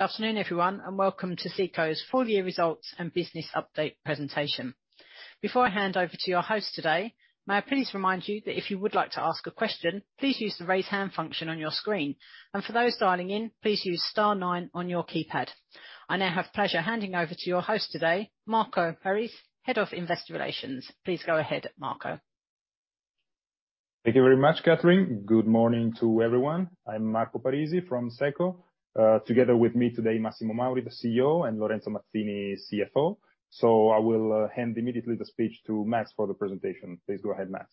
Good afternoon, everyone, and welcome to SECO's full year results and business update presentation. Before I hand over to your host today, may I please remind you that if you would like to ask a question, please use the Raise Hand function on your screen. For those dialing in, please use star nine on your keypad. I now have pleasure handing over to your host today, Marco Parisi, Head of Investor Relations. Please go ahead, Marco. Thank you very much, Catherine. Good morning to everyone. I'm Marco Parisi from SECO. Together with me today, Massimo Mauri, CEO, and Lorenzo Mazzini, CFO. I will hand immediately the speech to Mass for the presentation. Please go ahead, Mass.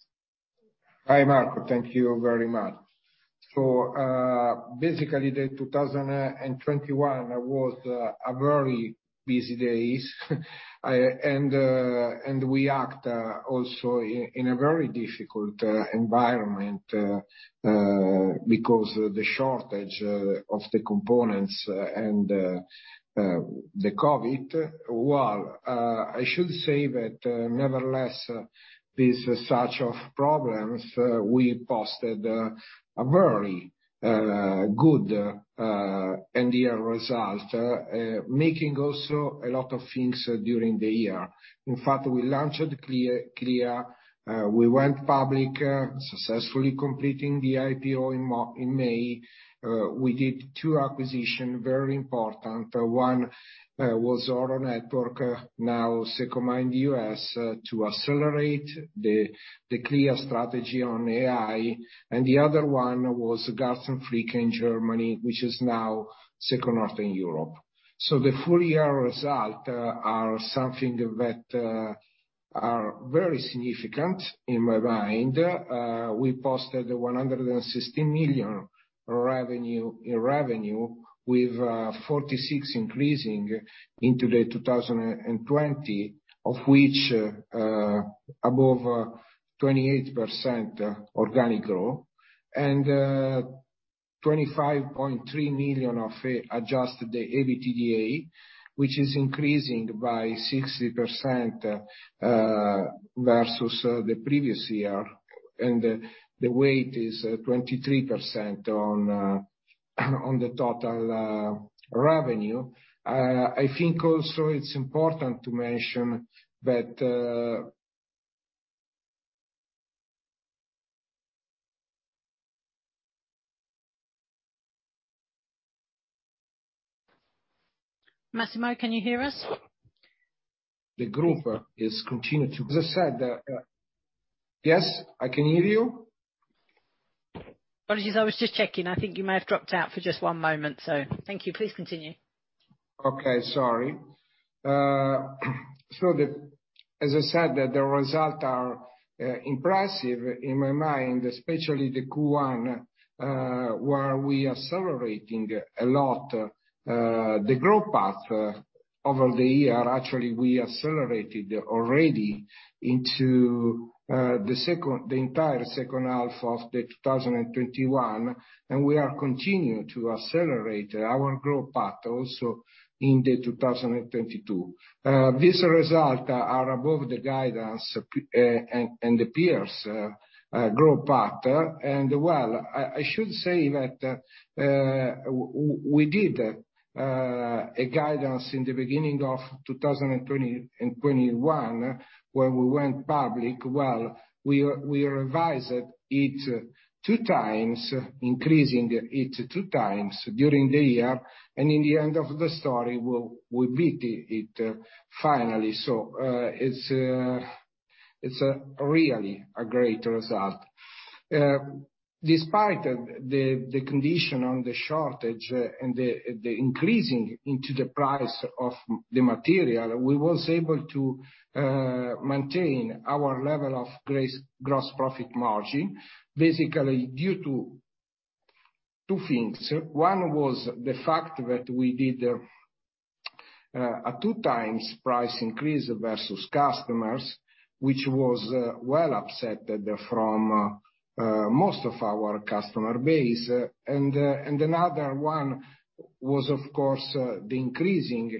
Hi, Marco. Thank you very much. Basically, 2021 was a very busy year. We acted also in a very difficult environment because the shortage of the components and the COVID. Well, I should say that, nevertheless, such problems we posted a very good end-of-year result, making also a lot of things during the year. In fact, we launched CLEA. We went public, successfully completing the IPO in May. We did two acquisitions, very important. One was ORO Networks, now SECO Mind US, to accelerate the CLEA strategy on AI. The other one was Garz & Fricke in Germany, which is now SECO Northern Europe. The full-year results are something that is very significant in my mind. We posted 160 million in revenue with 46% increase in 2020. Of which, above 28% organic growth and 25.3 million in adjusted EBITDA, which increased by 60% versus the previous year. The weight is 23% on the total revenue. I think also it's important to mention that Massimo, can you hear us? As I said, yes, I can hear you. Apologies. I was just checking. I think you may have dropped out for just one moment, so thank you. Please continue. Okay, sorry. So, as I said, the results are impressive in my mind, especially the Q1, where we are accelerating a lot, the growth path over the year. Actually, we accelerated already into the entire second half of 2021, and we are continuing to accelerate our growth path also in 2022. These results are above the guidance and the peers' growth path. Well, I should say that we did a guidance in the beginning of 2020 and 2021 when we went public. Well, we revised it 2x, increasing it two times during the year. In the end of the story, we beat it finally. It's really a great result. Despite the condition on the shortage and the increase in the price of the material, we was able to maintain our level of gross profit margin, basically due to two things. One was the fact that we did a 2x price increase versus customers, which was well accepted from most of our customer base. Another one was, of course, the increase in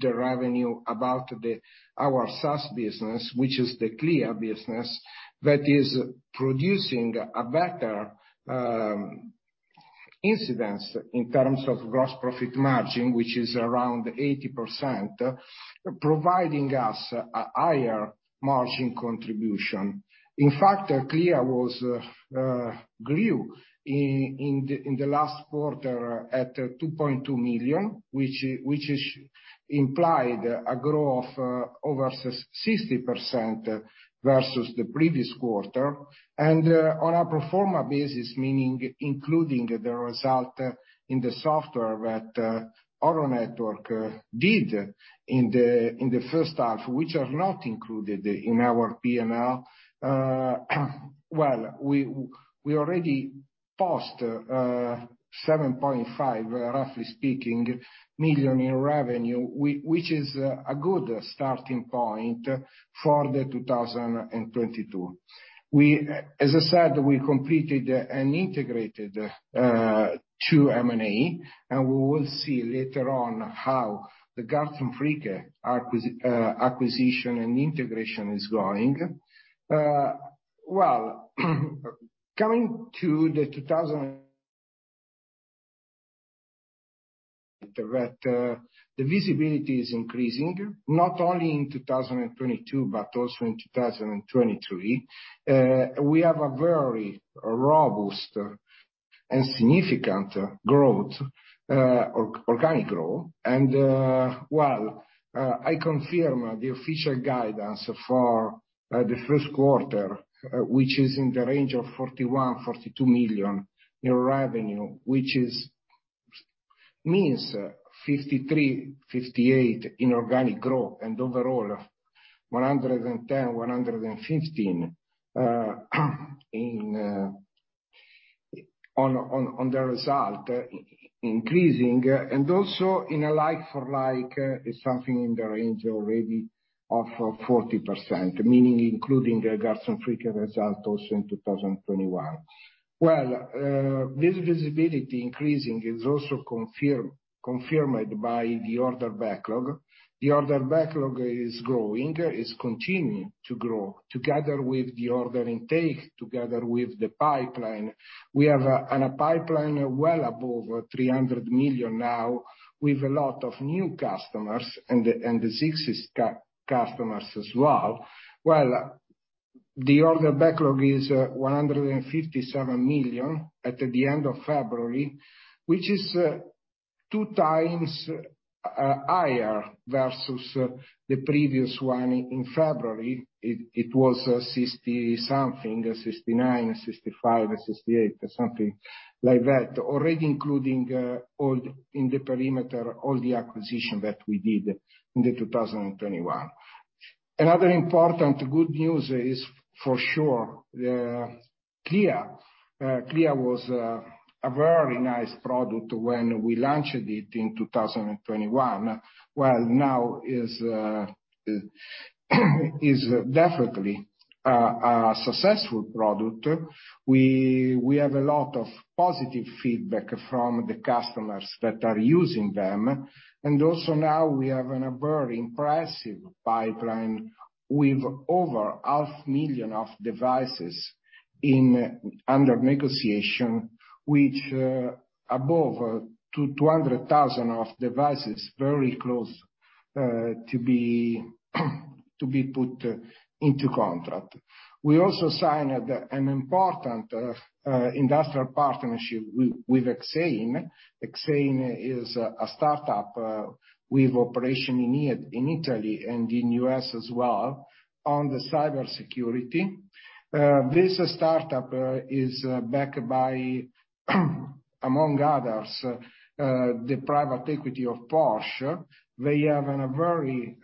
the revenue of our SaaS business, which is the CLEA business, that is producing a better incidence in terms of gross profit margin, which is around 80%, providing us a higher margin contribution. In fact, CLEA grew in the last quarter at 2.2 million, which implies a growth of over 60% versus the previous quarter. On a pro forma basis, meaning including the result in the software that ORO Networks did in the first half, which are not included in our P&L. We already post, roughly speaking, million in revenue, which is a good starting point for 2022. As I said, we completed and integrated two M&A, and we will see later on how the Garz & Fricke acquisition and integration is growing. Well, coming to the the visibility is increasing, not only in 2022 but also in 2023. We have a very robust and significant organic growth. I confirm the official guidance for the first quarter, which is in the range of 41 million-42 million in revenue, which means 53%–58% in organic growth, and overall 110%–115% in the result increasing. In a like-for-like, something in the range already of 40%, meaning including the Garz & Fricke result also in 2021. This visibility increasing is also confirmed by the order backlog. The order backlog is growing. It's continuing to grow together with the order intake, together with the pipeline. We have a pipeline well above 300 million now with a lot of new customers and the existing customers as well. Well, the order backlog is 157 million at the end of February, which is 2x higher versus the previous one in February. It was sixty-something, 69, 65, 68 or something like that. Already including all the in the perimeter, all the acquisition that we did in 2021. Another important good news is for sure the CLEA. CLEA was a very nice product when we launched it in 2021. Well, now is definitely a successful product. We have a lot of positive feedback from the customers that are using them. Also now we have a very impressive pipeline with over 500,000 devices under negotiation, which above 200,000 devices very close to be put into contract. We also signed an important industrial partnership with Exein. Exein is a startup with operations in Italy and in the U.S. as well on the cybersecurity. This startup is backed by among others the private equity of Porsche. They have a very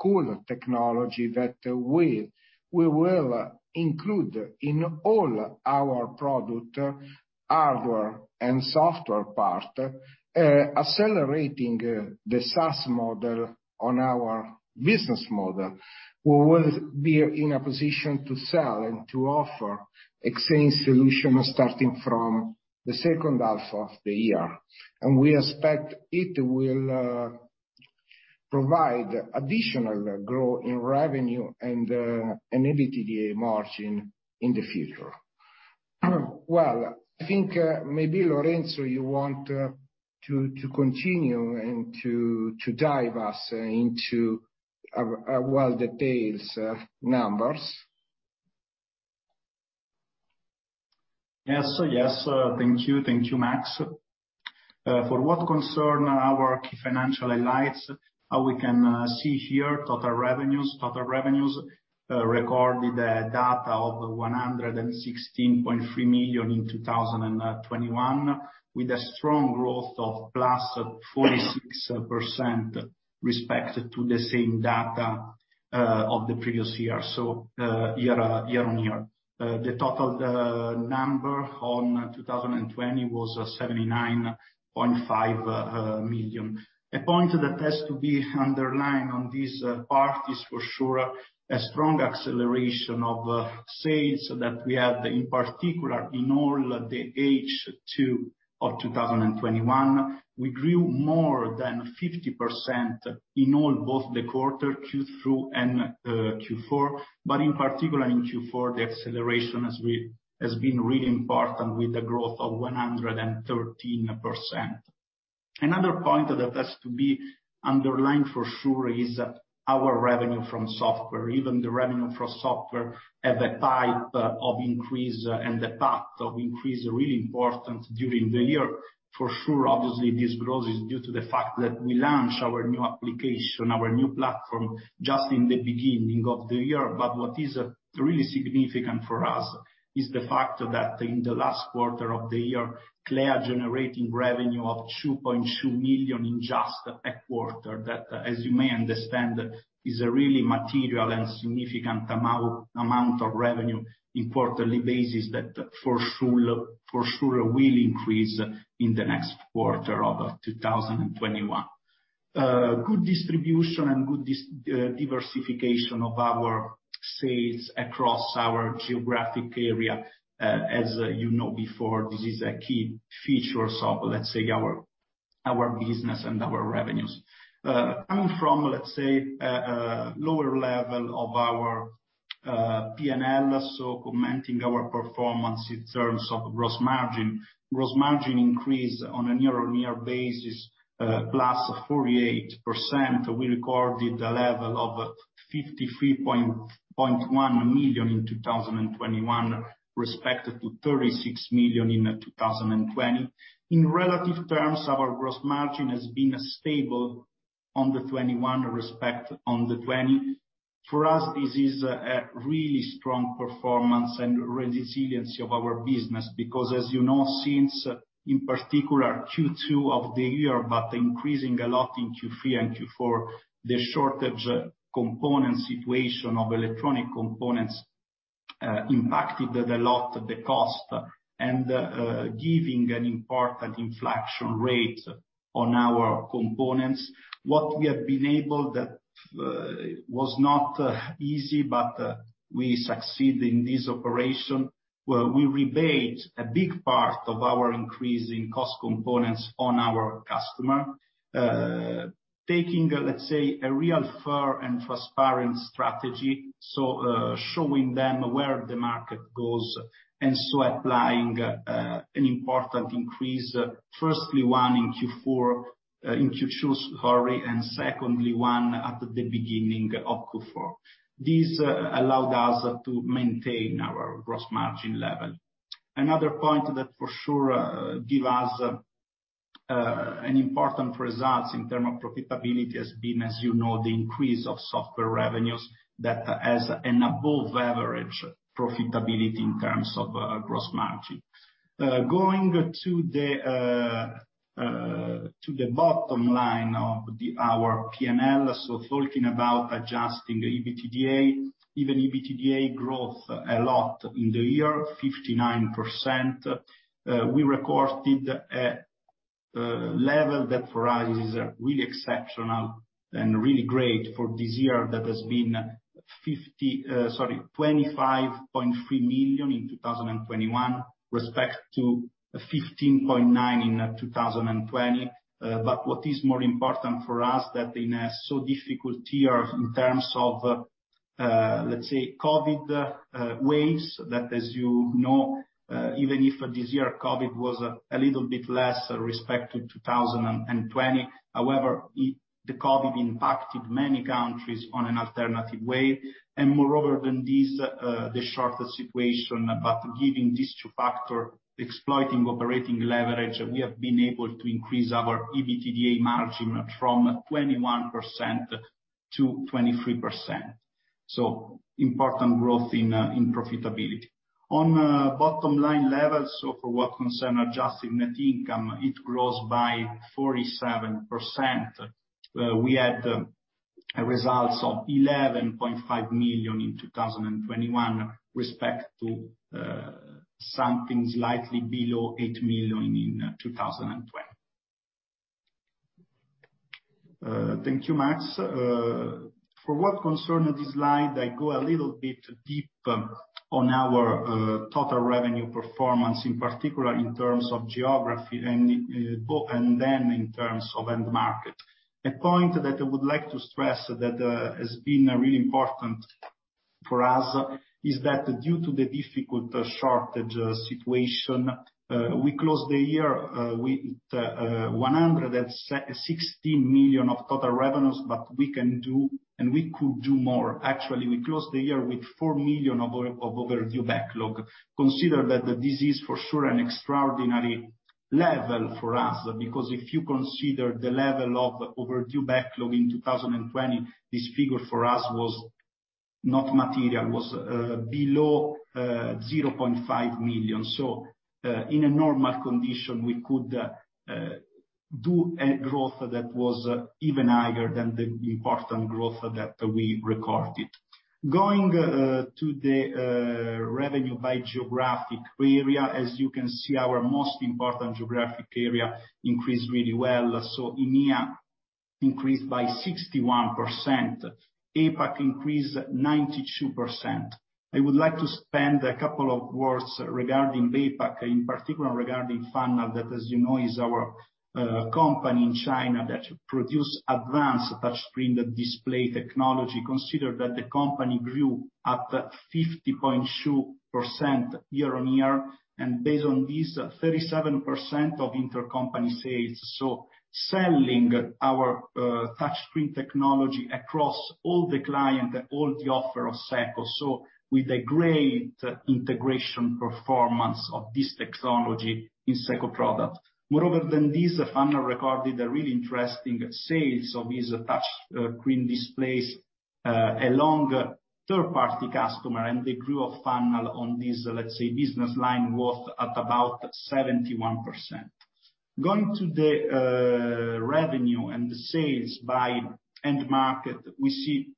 cool technology that we will include in all our product hardware and software part accelerating the SaaS model on our business model. We will be in a position to sell and to offer Exein solution starting from the second half of the year. We expect it will provide additional growth in revenue and EBITDA margin in the future. Well, I think maybe Lorenzo you want to continue and to dive us into a wealth of details numbers. Yes. Thank you, Mass. For what concerns our financial highlights, we can see here total revenues. Total revenues recorded data of 116.3 million in 2021, with a strong growth of +46% with respect to the same data of the previous year, so year-on-year. The total number in 2020 was 79.5 million. A point that has to be underlined in this part is for sure a strong acceleration of sales that we had, in particular, in all the H2 of 2021. We grew more than 50% in all, both the quarter Q3 and Q4, but in particular in Q4 the acceleration has been really important with a growth of 113%. Another point that has to be underlined for sure is our revenue from software. Even the revenue from software had a type of increase and the fact of increase really important during the year. For sure, obviously this growth is due to the fact that we launched our new application, our new platform, just in the beginning of the year. What is really significant for us is the fact that in the last quarter of the year, CLEA generating revenue of 2.2 million in just a quarter. That, as you may understand, is a really material and significant amount of revenue on a quarterly basis that for sure will increase in the next quarter of 2021. Good distribution and good diversification of our sales across our geographic area. As you know before, this is a key feature. Let's say our business and our revenues. Coming from a lower level of our P&L, commenting our performance in terms of gross margin. Gross margin increased on a year-on-year basis, 48%. We recorded a level of 53.1 million in 2021 versus 36 million in 2020. In relative terms, our gross margin has been stable in 2021 with respect to 2020. For us, this is a really strong performance and resiliency of our business, because as you know, in particular Q2 of the year, but increasing a lot in Q3 and Q4, the component shortage situation of electronic components impacted a lot of the cost, and giving an important inflation rate on our components. What we have been able to do that was not easy, but we succeeded in this operation, where we passed on a big part of our increasing cost components to our customer, taking, let's say, a real fair and transparent strategy. Showing them where the market goes, and so applying an important increase, firstly one in Q2, sorry, and secondly one at the beginning of Q4. This allowed us to maintain our gross margin level. Another point that for sure give us an important results in term of profitability has been, as you know, the increase of software revenues that has an above average profitability in terms of gross margin. Going to the bottom line of our P&L, so talking about adjusted EBITDA. EBITDA grew a lot in the year, 59%. We recorded a level that for us is really exceptional and really great for this year that has been 25.3 million in 2021 versus 15.9 million in 2020. What is more important for us is that in so difficult a year in terms of, let's say, COVID waves, that as you know, even if this year COVID was a little bit less with respect to 2020, however, the COVID impacted many countries in an alternating way. Moreover than this, the chip shortage situation, given these two factors, exploiting operating leverage, we have been able to increase our EBITDA margin from 21% to 23%. Important growth in profitability. On bottom line level, for what concerns adjusted net income, it grows by 47%. We had results of 11.5 million in 2021 with respect to something slightly below 8 million in 2020. Thank you, Mass. For what concern this slide, I go a little bit deep on our total revenue performance, in particular in terms of geography and both, and then in terms of end market. A point that I would like to stress that has been really important for us is that due to the difficult shortage situation, we closed the year with 160 million of total revenues, but we can do and we could do more. Actually, we closed the year with 4 million of overdue backlog. Consider that this is for sure an extraordinary level for us, because if you consider the level of overdue backlog in 2020, this figure for us was not material. It was below 0.5 million. In a normal condition, we could do a growth that was even higher than the important growth that we recorded. Going to the revenue by geographic area. As you can see, our most important geographic area increased really well. EMEA increased by 61%. APAC increased 92%. I would like to spend a couple of words regarding APAC, in particular regarding Fannal, that as you know, is our company in China that produce advanced touchscreen display technology. Consider that the company grew at 50.2% year-on-year, and based on this, 37% of intercompany sales. Selling our touchscreen technology across all the client, all the offer of SECO. With a great integration performance of this technology in SECO product. More than this, Fannal recorded a really interesting sales of these touchscreen displays among third-party customers, and the growth of Fannal on this, let's say, business line was at about 71%. Going to the revenue and the sales by end market, we see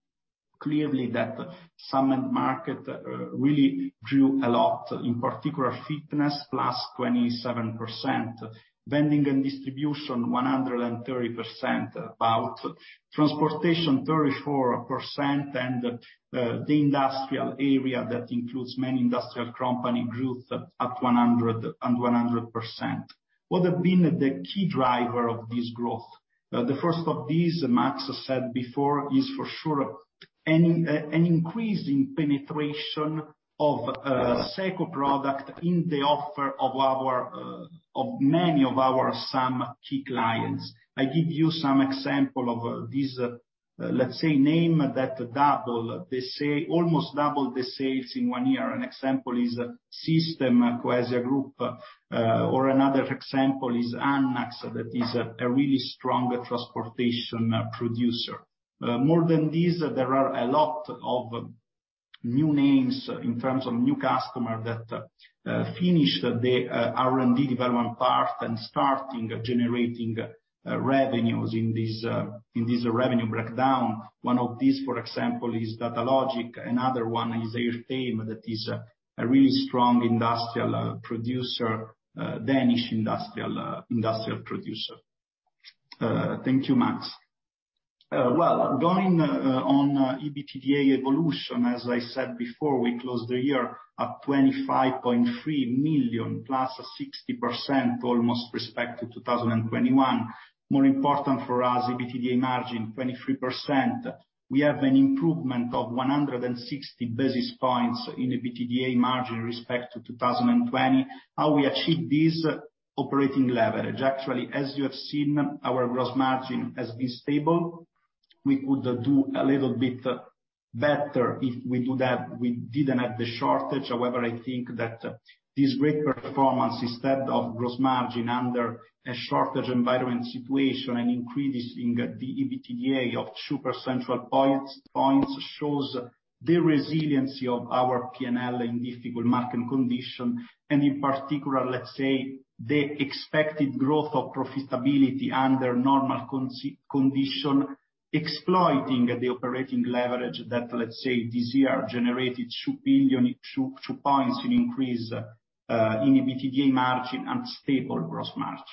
clearly that some end markets really grew a lot. In particular, fitness 27%, vending and distribution about 130%, transportation 34% and the industrial area that includes many industrial companies grew at 100%. What have been the key driver of this growth? The first of these, Mass said before, is for sure an increase in penetration of SECO products in the offer of our many of our key clients. I give you some example of these, let's say, names that doubled. They say almost double the sales in one year. An example is Sistemi Cuneo Group, or another example is ANNAX, that is a really strong transportation producer. More than these, there are a lot of new names in terms of new customer that finish their R&D development part and starting generating revenues in this revenue breakdown. One of these, for example, is Datalogger. Another one is Airteam, that is a really strong industrial producer, Danish industrial producer. Thank you, Mass. Well, going on EBITDA evolution, as I said before, we closed the year at 25.3 million, +60% almost versus 2021. More important for us, EBITDA margin 23%. We have an improvement of 160 basis points in EBITDA margin versus 2020. How do we achieve this operating leverage? Actually, as you have seen, our gross margin has been stable. We could do a little bit better if we do that. We didn't have the shortage. However, I think that this great performance in gross margin under a shortage environment situation and increasing the EBITDA by two percentage points shows the resiliency of our P&L in difficult market condition. In particular, let's say, the expected growth of profitability under normal condition, exploiting the operating leverage that, let's say, this year generated two points in increase in EBITDA margin and stable gross margin.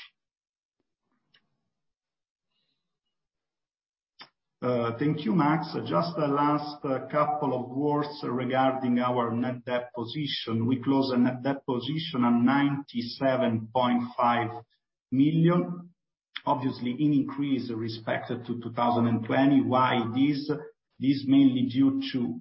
Thank you, Mass. Just the last couple of words regarding our net debt position. We closed a net debt position at 97.5 million, obviously an increase with respect to 2020. Why this? This is mainly due to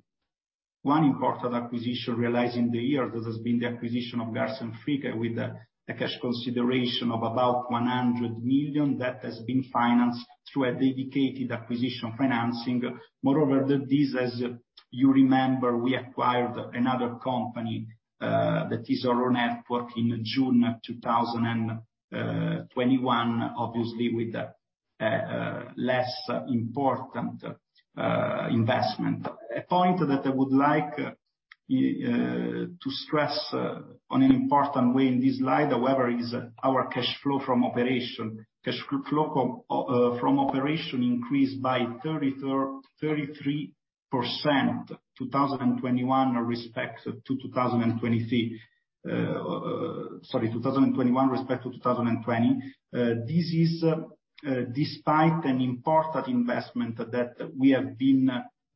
one important acquisition realized in the year. This has been the acquisition of Garz & Fricke with a cash consideration of about 100 million. That has been financed through a dedicated acquisition financing. Moreover, as you remember, we acquired another company, that is ORO Networks, in June 2021, obviously with a less important investment. A point that I would like to stress in an important way in this slide, however, is our cash flow from operation. Cash flow from operation increased by 33%, 2021 respect to 2020. This is despite an important investment that we have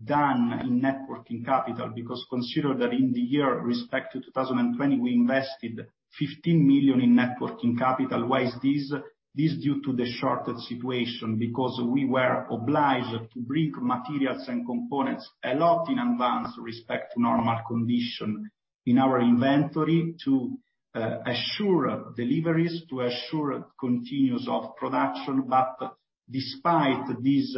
done in working capital, because consider that in the respective year 2020, we invested 15 million in working capital. Why is this? This is due to the shortage situation, because we were obliged to bring materials and components a lot in advance with respect to normal condition in our inventory to assure deliveries, to assure continuity of production. Despite this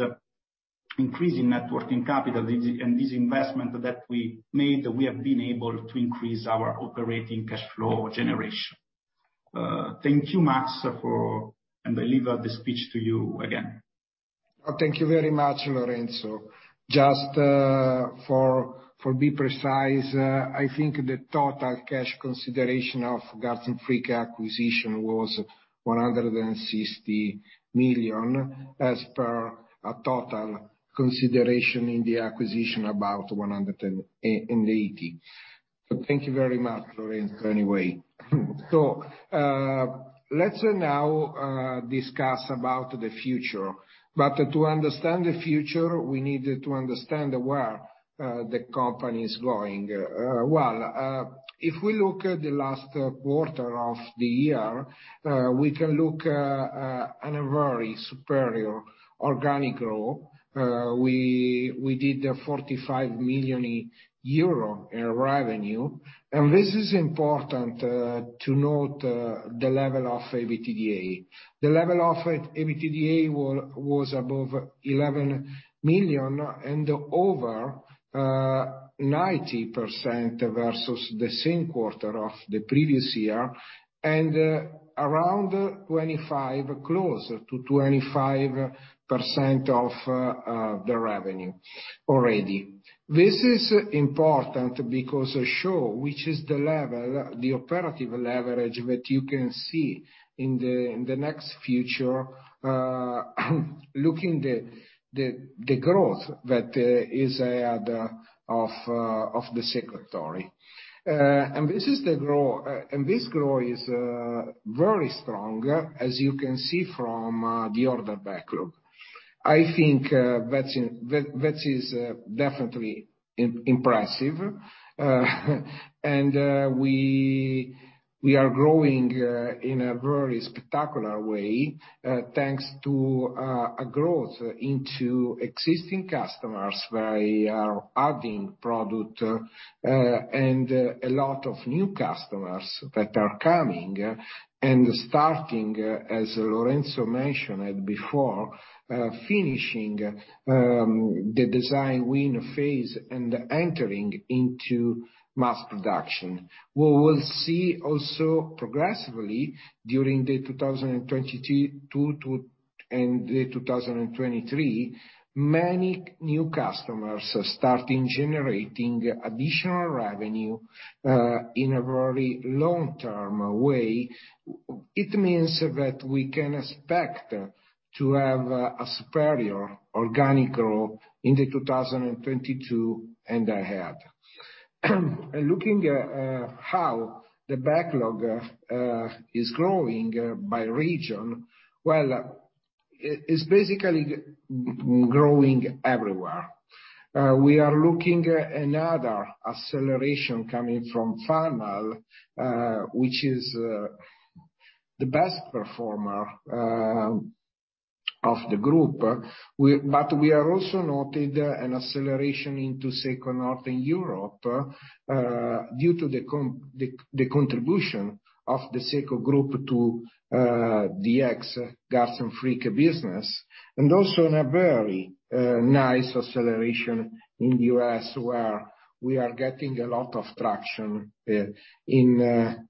increasing working capital and this investment that we made, we have been able to increase our operating cash flow generation. Thank you, Mass. I leave the speech to you again. Thank you very much, Lorenzo. Just to be precise, I think the total cash consideration of Garz & Fricke acquisition was 160 million, as per a total consideration in the acquisition, about 180. Thank you very much, Lorenzo, anyway. Let's now discuss about the future. To understand the future, we need to understand where the company is going. Well, if we look at the last quarter of the year, we can look at a very superior organic growth. We did 45 million euro in revenue, and this is important to note the level of EBITDA. The level of EBITDA was above 11 million and over 90% versus the same quarter of the previous year, and around 25%, close to 25% of the revenue already. This is important because it shows which is the level, the operating leverage that you can see in the near future, looking at the growth that is at the heart of the SECO story. This is the growth, and this growth is very strong, as you can see from the order backlog. I think that is definitely impressive. We are growing in a very spectacular way, thanks to a growth in existing customers. We are adding product and a lot of new customers that are coming and starting, as Lorenzo mentioned before, finishing the design win phase and entering into mass production. We will see also progressively during the 2022–2023, many new customers starting generating additional revenue in a very long-term way. It means that we can expect to have a superior organic growth in the 2022 and ahead. Looking at how the backlog is growing by region, well, it's basically growing everywhere. We are looking at another acceleration coming from Fannal, which is the best performer of the group. We are also noting an acceleration into SECO Northern Europe due to the contribution of the SECO Group to the ex Garz & Fricke business, and also in a very nice acceleration in the U.S., where we are getting a lot of traction in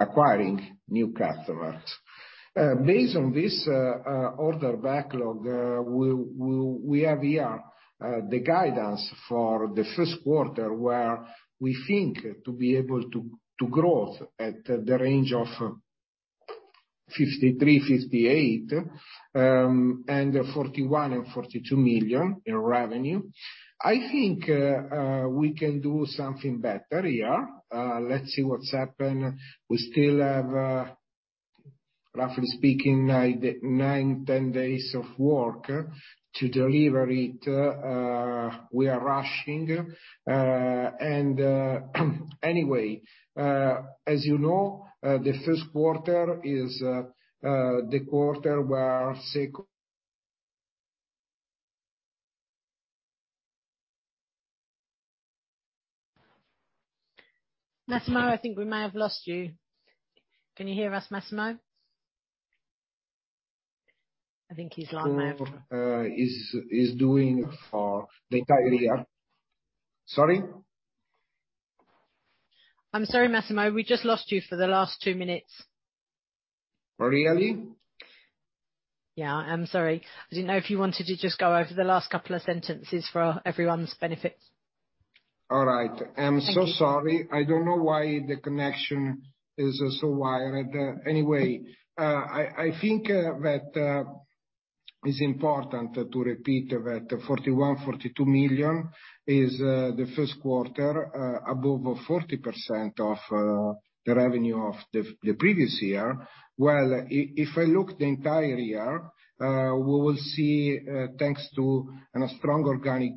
acquiring new customers. Based on this order backlog, we have here the guidance for the first quarter, where we think to be able to grow at the range of 53–58 and 41 million–42 million in revenue. I think we can do something better here. Let's see what happens. We still have, roughly speaking, nine to 10 days of work to deliver it. We are rushing. Anyway, as you know, the first quarter is the quarter where SECO Massimo, I think we may have lost you. Can you hear us, Massimo? I think he's logged out. Is doing for the entire year. Sorry? I'm sorry, Massimo, we just lost you for the last two minutes. Really? Yeah. I'm sorry. I didn't know if you wanted to just go over the last couple of sentences for everyone's benefit. All right. Thank you. I'm so sorry. I don't know why the connection is so weird. Anyway, I think that is important to repeat that 41 million– 42 million is the first quarter above 40% of the revenue of the previous year. Well, if I look the entire year, we will see thanks to a strong organic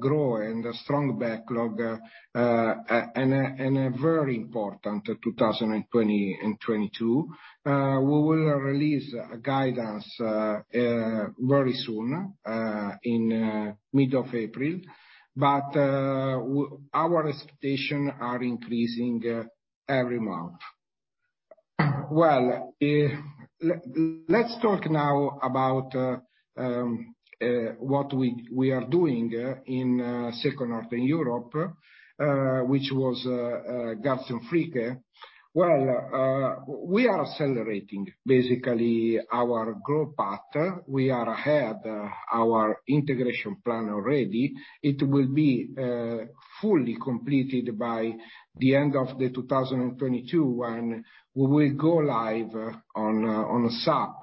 growth and a strong backlog and a very important 2020 and 2022. We will release a guidance very soon in middle of April, but our expectations are increasing every month. Well, let's talk now about what we are doing in SECO Northern Europe, which was Garz & Fricke. Well, we are accelerating basically our growth path. We are ahead of our integration plan already. It will be fully completed by the end of 2022, when we will go live on SAP.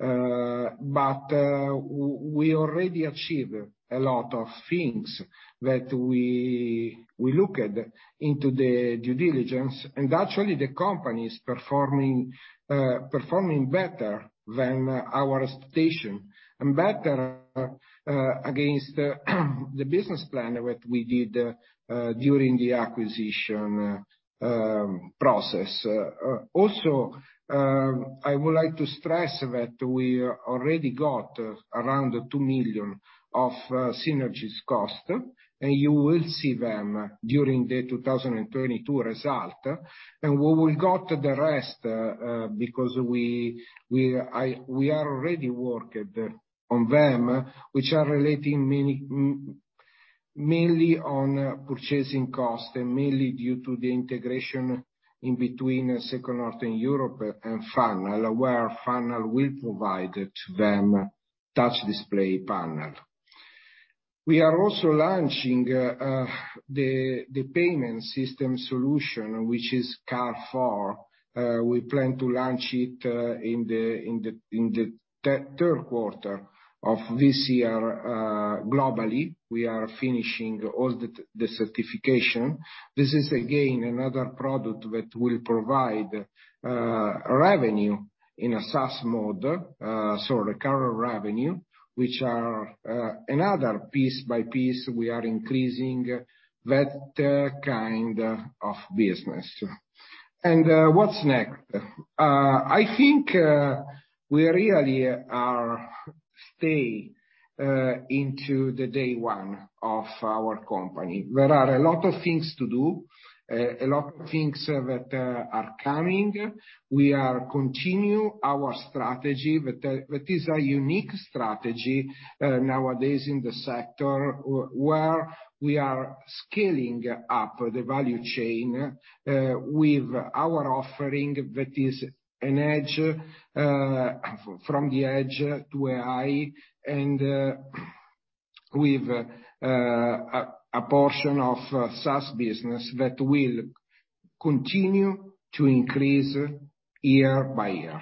We already achieved a lot of things that we looked at in the due diligence, and actually the company is performing better than our expectations and better against the business plan that we did during the acquisition process. Also, I would like to stress that we already got around 2 million of cost synergies, and you will see them during the 2022 results. We will got the rest, because we are already working on them, which are relating mainly on purchasing costs and mainly due to the integration between SECO Northern Europe and Fannal, where Fannal will provide to them touch display panel. We are also launching the payment system solution, which is KarL4. We plan to launch it in the third quarter of this year, globally. We are finishing all the certification. This is again another product that will provide revenue in a SaaS mode, so recurrent revenue, which are another piece by piece we are increasing that kind of business. What's next? I think we really are stay into the day one of our company. There are a lot of things to do, a lot of things that are coming. We are continue our strategy, but is a unique strategy nowadays in the sector where we are scaling up the value chain with our offering that is an edge from the edge to AI and with a portion of SaaS business that will continue to increase year by year.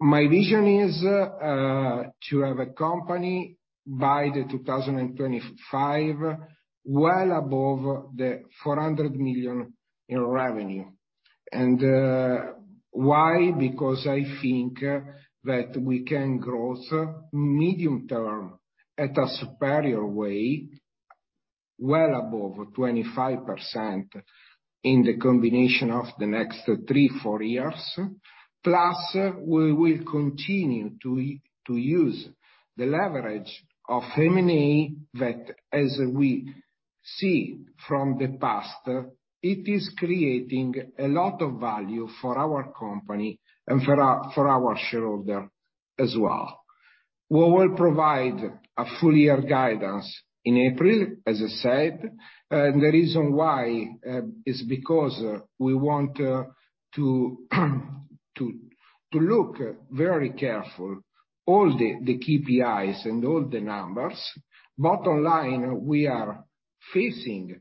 My vision is to have a company by 2025 well above 400 million in revenue. Why? Because I think that we can growth medium term at a superior way, well above 25% in the combination of the next three, four years. Plus, we will continue to use the leverage of M&A that as we see from the past, it is creating a lot of value for our company and for our shareholder as well. We will provide a full year guidance in April, as I said. The reason why is because we want to look very careful all the KPIs and all the numbers. Bottom line, we are facing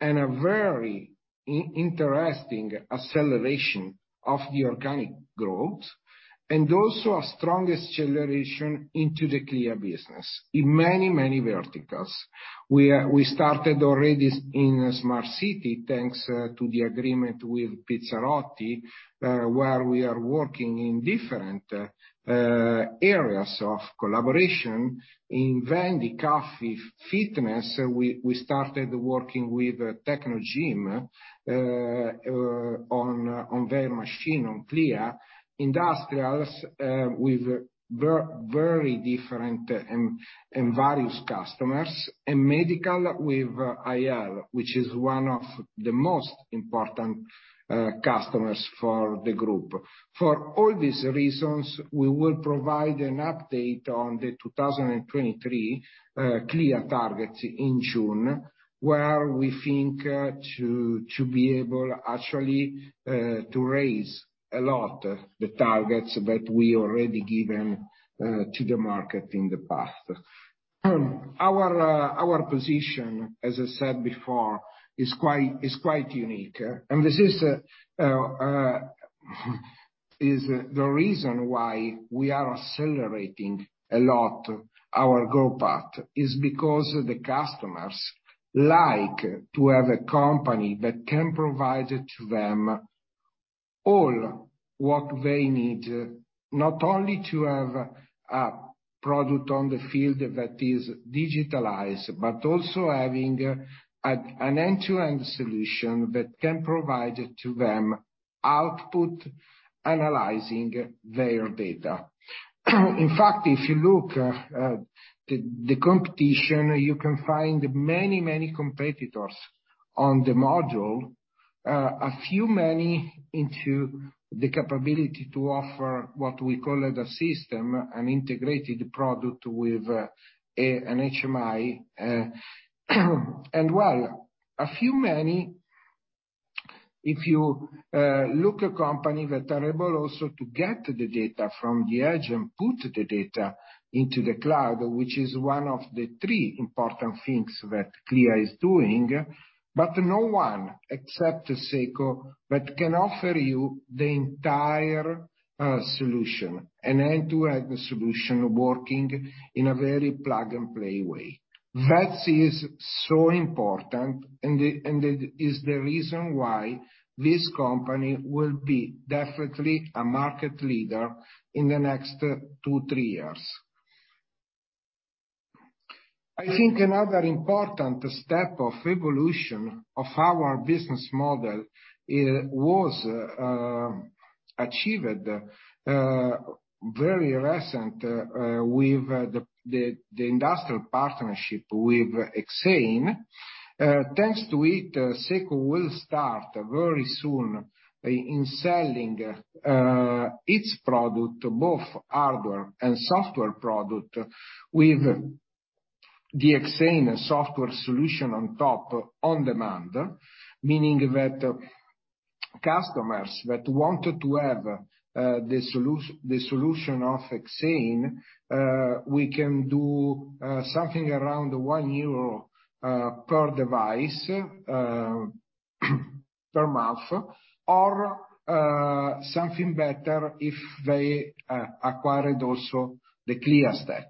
in a very interesting acceleration of the organic growth, and also a strong acceleration into the CLEA business in many verticals. We started already in a smart city, thanks to the agreement with Pizzarotti, where we are working in different areas of collaboration. In Vending Coffee Fitness, we started working with Technogym on their machine on CLEA. Industrials with very different and various customers. In medical, we have AEL, which is one of the most important customers for the group. For all these reasons, we will provide an update on the 2023 CLEA targets in June, where we think to be able actually to raise a lot the targets that we already given to the market in the past. Our position, as I said before, is quite unique. This is the reason why we are accelerating a lot our growth path, because the customers like to have a company that can provide it to them all what they need, not only to have a product on the field that is digitalized, but also having an end-to-end solution that can provide it to them output analyzing their data. In fact, if you look at the competition, you can find many competitors on the module. Far fewer into the capability to offer what we call a system, an integrated product with an HMI. Well, far fewer if you look at companies that are able also to get the data from the edge and put the data into the cloud, which is one of the three important things that CLEA is doing. No one, except SECO, that can offer you the entire solution, an end-to-end solution working in a very plug-and-play way. That is so important and it is the reason why this company will be definitely a market leader in the next two to three years. I think another important step of evolution of our business model, it was achieved very recently with the industrial partnership with Exein. Thanks to it, SECO will start very soon in selling its product, both hardware and software product, with the Exein software solution on top on demand. Meaning that customers that wanted to have the solution of Exein, we can do something around 1 euro per device per month. Or something better if they acquired also the CLEA stack.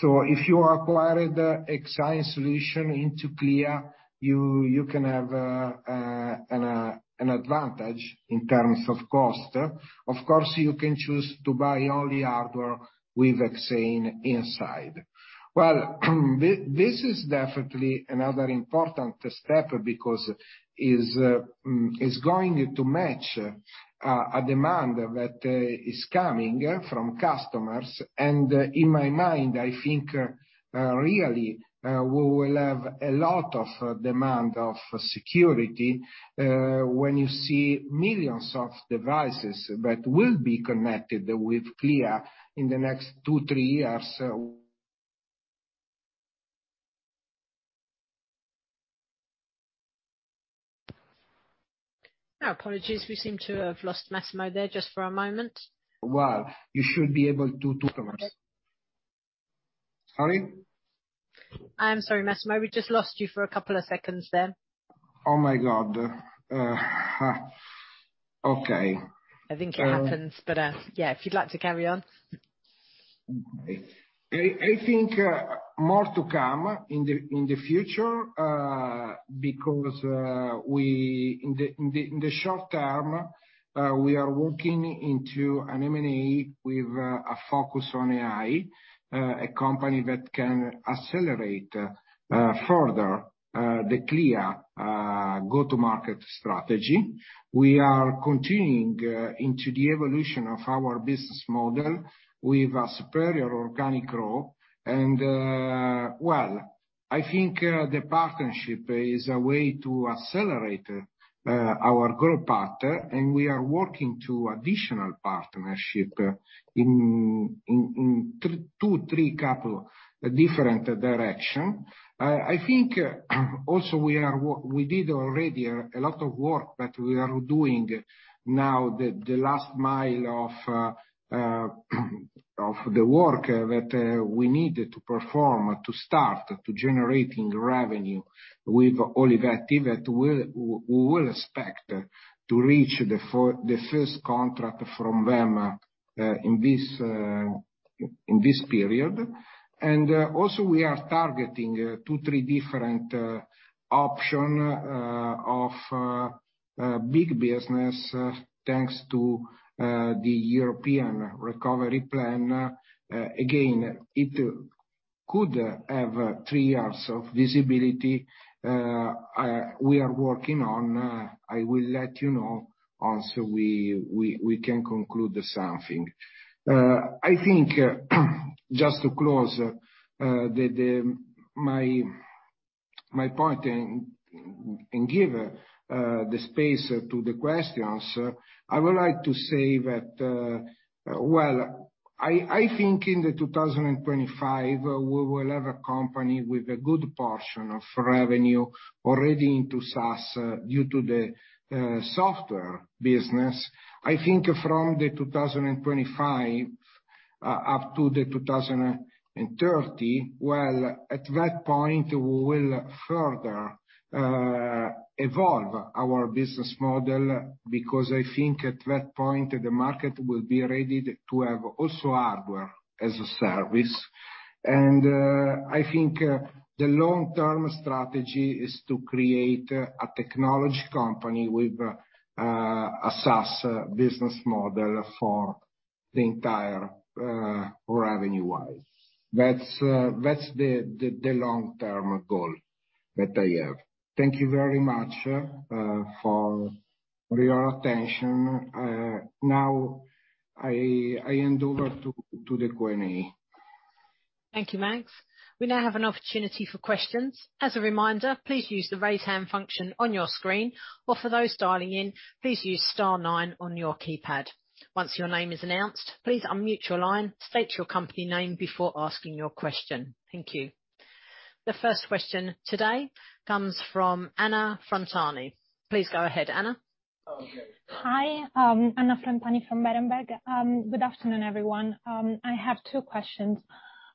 If you acquired the Exein solution into CLEA, you can have an advantage in terms of cost. Of course, you can choose to buy only hardware with Exein inside. This is definitely another important step because it is going to match a demand that is coming from customers. In my mind, I think really we will have a lot of demand for security when you see millions of devices that will be connected with CLEA in the next two to three years My apologies. We seem to have lost Massimo there just for a moment. Well, you should be able to talk about. Sorry? I'm sorry, Massimo. We just lost you for a couple of seconds there. Oh, my God. Okay. I think it happens, but, yeah, if you'd like to carry on. I think more to come in the future because in the short term we are walking into an M&A with a focus on AI, a company that can accelerate further the CLEA go-to-market strategy. We are continuing into the evolution of our business model with a superior organic growth. Well, I think the partnership is a way to accelerate our growth path, and we are working to additional partnership in two, three couple different direction. I think also we did already a lot of work that we are doing now, the last mile of the work that we need to perform to start to generating revenue with all activity that we will expect to reach the first contract from them in this period. Also we are targeting two, three different option of big business thanks to the European recovery plan. Again, it could have three years of visibility. We are working on, I will let you know once we can conclude something. I think, just to close my point and give the space to the questions. I would like to say that, well I think in 2025, we will have a company with a good portion of revenue already into SaaS, due to the software business. I think from 2025 up to 2030, well, at that point, we will further evolve our business model, because I think at that point, the market will be ready to have also hardware as a service. I think the long-term strategy is to create a technology company with a SaaS business model for the entire revenue-wise. That's the long-term goal that I have. Thank you very much for your attention. Now I hand over to the Q&A. Thank you, Mass. We now have an opportunity for questions. As a reminder, please use the Raise Hand function on your screen, or for those dialing in, please use star nine on your keypad. Once your name is announced, please unmute your line, state your company name before asking your question. Thank you. The first question today comes from Anna Frontani. Please go ahead, Anna. Hi. I'm Anna Frontani from Berenberg. Good afternoon, everyone. I have two questions.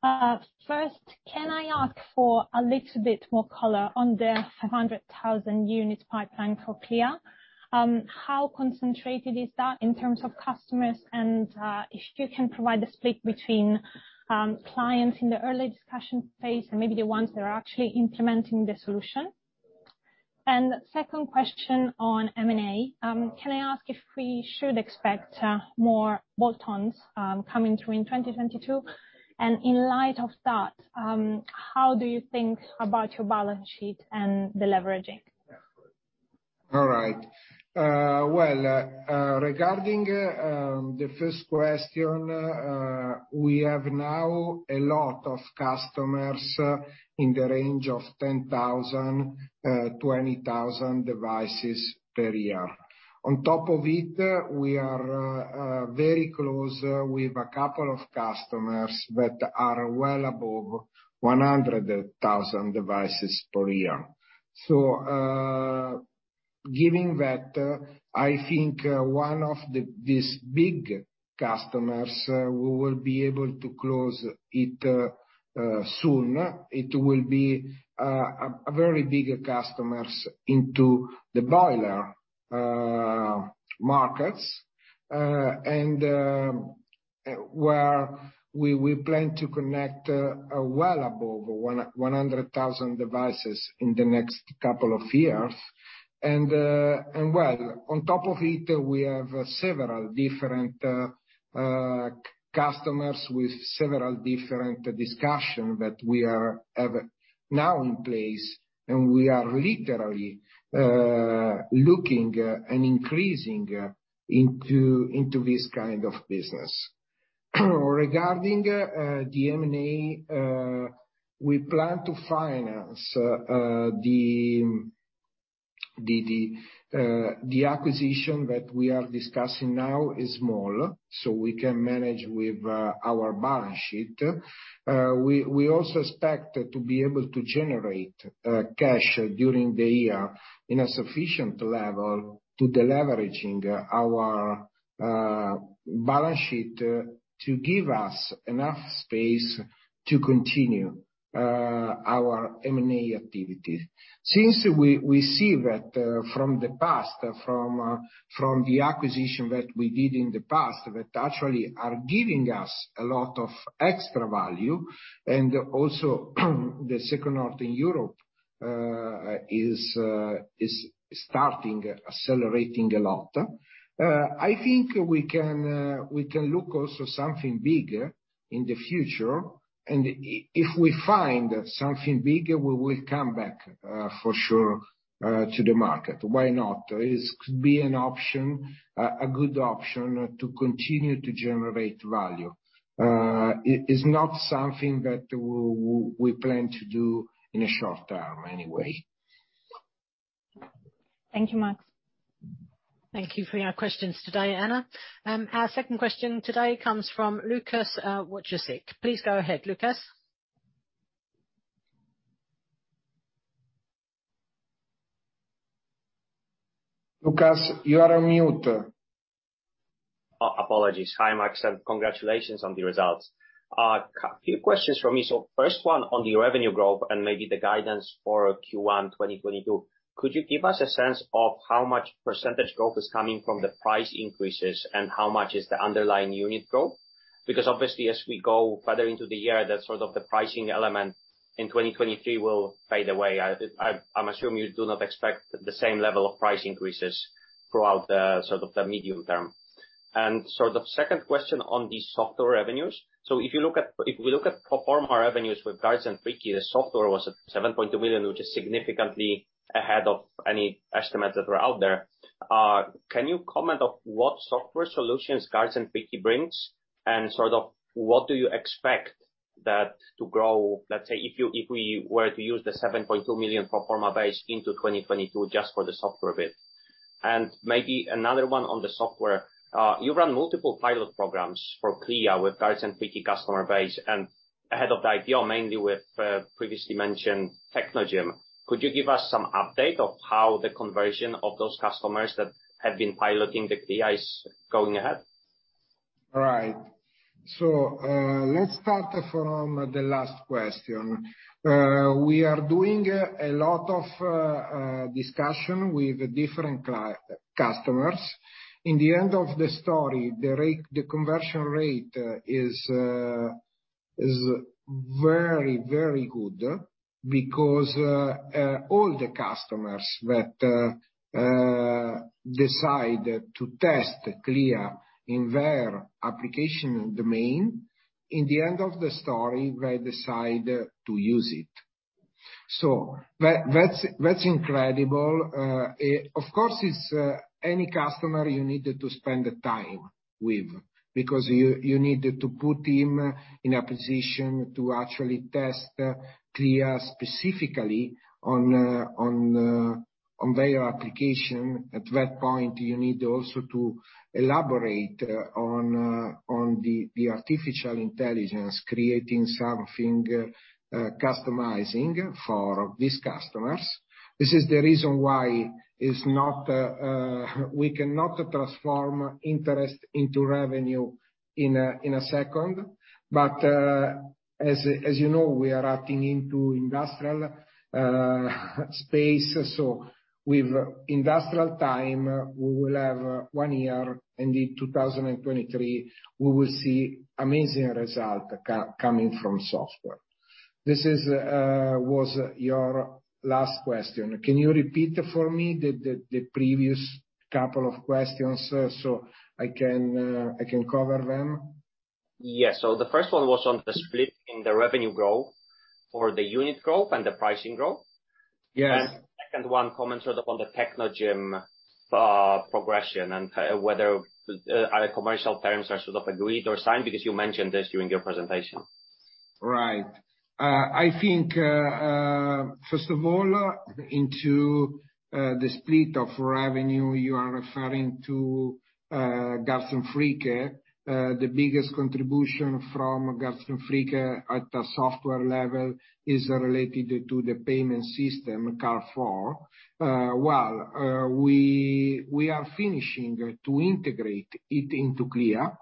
First, can I ask for a little bit more color on the 500,000 unit pipeline for CLEA? How concentrated is that in terms of customers? And if you can provide the split between clients in the early discussion phase and maybe the ones that are actually implementing the solution. Second question on M&A. Can I ask if we should expect more bolt-ons coming through in 2022? And in light of that, how do you think about your balance sheet and the leveraging? All right. Well, regarding the first question, we have now a lot of customers in the range of 10,000–20,000 devices per year. On top of it, we are very close with a couple of customers that are well above 100,000 devices per year. Given that, I think one of these big customers we will be able to close it soon. It will be a very big customers into the boiler markets where we plan to connect well above 100,000 devices in the next couple of years. Well, on top of it, we have several different customers with several different discussions that we have now in place, and we are literally looking to increase into this kind of business. Regarding the M&A, we plan to finance the acquisition that we are discussing now is small, so we can manage with our balance sheet. We also expect to be able to generate cash during the year at a sufficient level to deleverage our balance sheet to give us enough space to continue our M&A activities. Since we see that from the past, from the acquisitions that we did in the past, that actually are giving us a lot of extra value. Also the SECO Northern Europe is starting accelerating a lot. I think we can look also something bigger in the future. If we find something bigger, we will come back for sure to the market. Why not? It could be an option, a good option to continue to generate value. It is not something that we plan to do in a short term anyway. Thank you, Mass. Thank you for your questions today, Anna. Our second question today comes from Lucas Wojtczyk. Please go ahead, Lucas. Lucas, you are on mute. Hi, Mass, and congratulations on the results. Few questions from me. First one on the revenue growth and maybe the guidance for Q1 2022. Could you give us a sense of how much percentage growth is coming from the price increases and how much is the underlying unit growth? Because obviously as we go further into the year, that's sort of the pricing element in 2023 will fade away. I'm assuming you do not expect the same level of price increases throughout the sort of the medium term. Second question on the software revenues. If we look at platform revenues with Garz & Fricke, the software was at 7.2 million, which is significantly ahead of any estimates that were out there. Can you comment on what software solutions Garz & Fricke brings? Sort of what do you expect that to grow, let's say if we were to use the 7.2 million pro forma basis into 2022 just for the software bit? Maybe another one on the software. You run multiple pilot programs for CLEA with Garz & Fricke customer base and ahead of the IPO, mainly with previously mentioned Technogym. Could you give us some update on how the conversion of those customers that have been piloting the CLEA is going ahead? Let's start from the last question. We are doing a lot of discussion with different customers. In the end of the story, the conversion rate is very, very good because all the customers that decide to test CLEA in their application domain, in the end of the story, they decide to use it. That's incredible. Of course, it's any customer you need to spend time with because you need to put him in a position to actually test CLEA specifically on their application. At that point, you need also to elaborate on the artificial intelligence, creating something customizing for these customers. This is the reason why it's not we cannot transform interest into revenue in a second. As you know, we are acting into industrial space. With industrial time, we will have one year. Indeed, 2023, we will see amazing results coming from software. This was your last question. Can you repeat for me the previous couple of questions so I can cover them? Yes. The first one was on the split in the revenue growth for the unit growth and the pricing growth. Yes. Second one comment sort of on the Technogym progression and whether commercial terms are sort of agreed or signed because you mentioned this during your presentation. Right. I think, first of all, in the split of revenue you are referring to Garz & Fricke. The biggest contribution from Garz & Fricke at a software level is related to the payment system, KarL4. Well, we are finishing to integrate it into CLEA.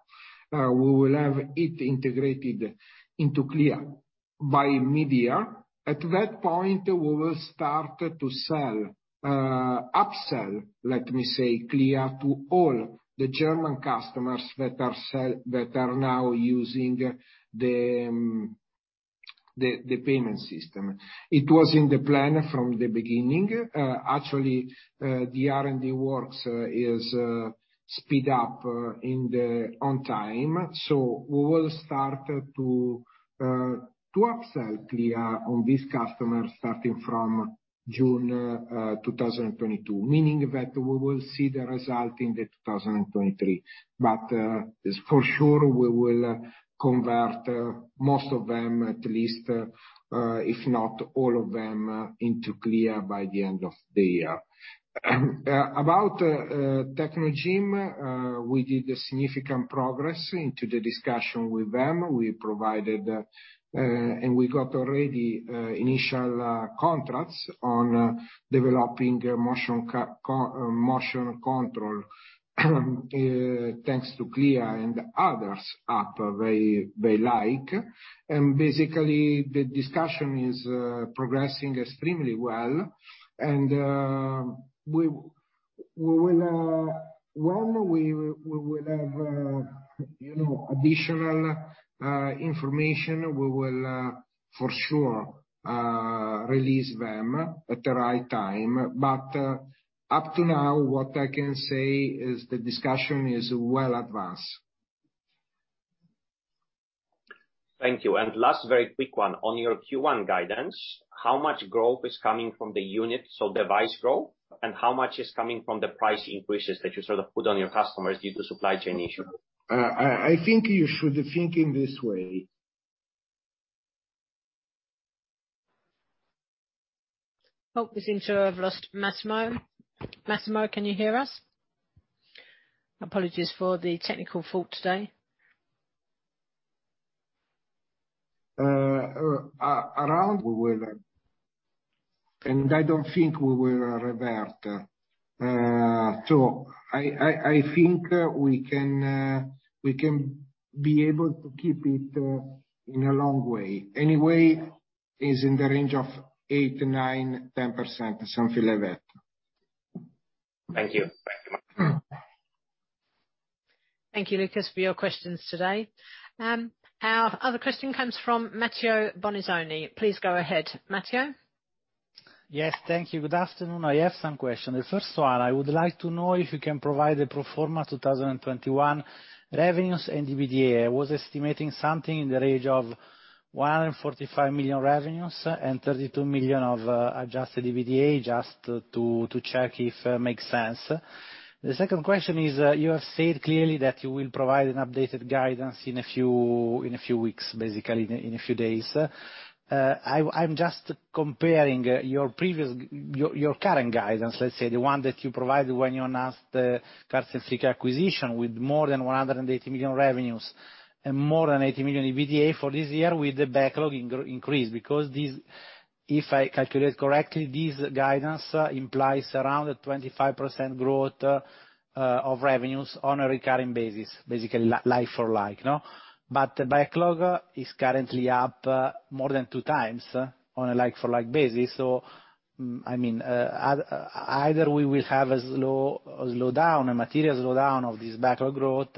We will have it integrated into CLEA by mid-year. At that point, we will start to sell, upsell, let me say, CLEA to all the German customers that are now using the payment system. It was in the plan from the beginning. Actually, the R&D works is speed up on time. We will start to upsell CLEA on these customers starting from June 2022. Meaning that we will see the result in 2023. It's for sure we will convert most of them, at least, if not all of them, into CLEA by the end of the year. About Technogym, we did a significant progress into the discussion with them. We provided and we got already initial contracts on developing motion control, thanks to CLEA and other apps they like. Basically, the discussion is progressing extremely well. We will, when we will have, you know, additional information, we will for sure release them at the right time. Up to now, what I can say is the discussion is well advanced. Thank you. Last very quick one. On your Q1 guidance, how much growth is coming from the unit, so device growth? How much is coming from the price increases that you sort of put on your customers due to supply chain issue? I think you should think in this way. Oh, it seems to have lost Massimo. Massimo, can you hear us? Apologies for the technical fault today. I don't think we will revert. I think we can be able to keep it in a long way. Anyway, it's in the range of 8%–10%, something like that. Thank you. Thank you, Massimo. Thank you, Lucas, for your questions today. Our other question comes from Matteo Bonizzoni. Please go ahead, Matteo? Yes, thank you. Good afternoon. I have some questions. The first one, I would like to know if you can provide the pro forma 2021 revenues and EBITDA. I was estimating something in the range of 145 million revenues and 32 million of adjusted EBITDA, just to check if it makes sense. The second question is, you have said clearly that you will provide an updated guidance in a few weeks, basically in a few days. I'm just comparing your current guidance, let's say, the one that you provided when you announced the Garz & Fricke acquisition with more than 180 million revenues and more than 80 million EBITDA for this year with the backlog increase. Because this, if I calculate correctly, this guidance implies around a 25% growth of revenues on a recurring basis, basically like for like, no? But the backlog is currently up more than 2x on a like-for-like basis. I mean, either we will have a slowdown, a material slowdown of this backlog growth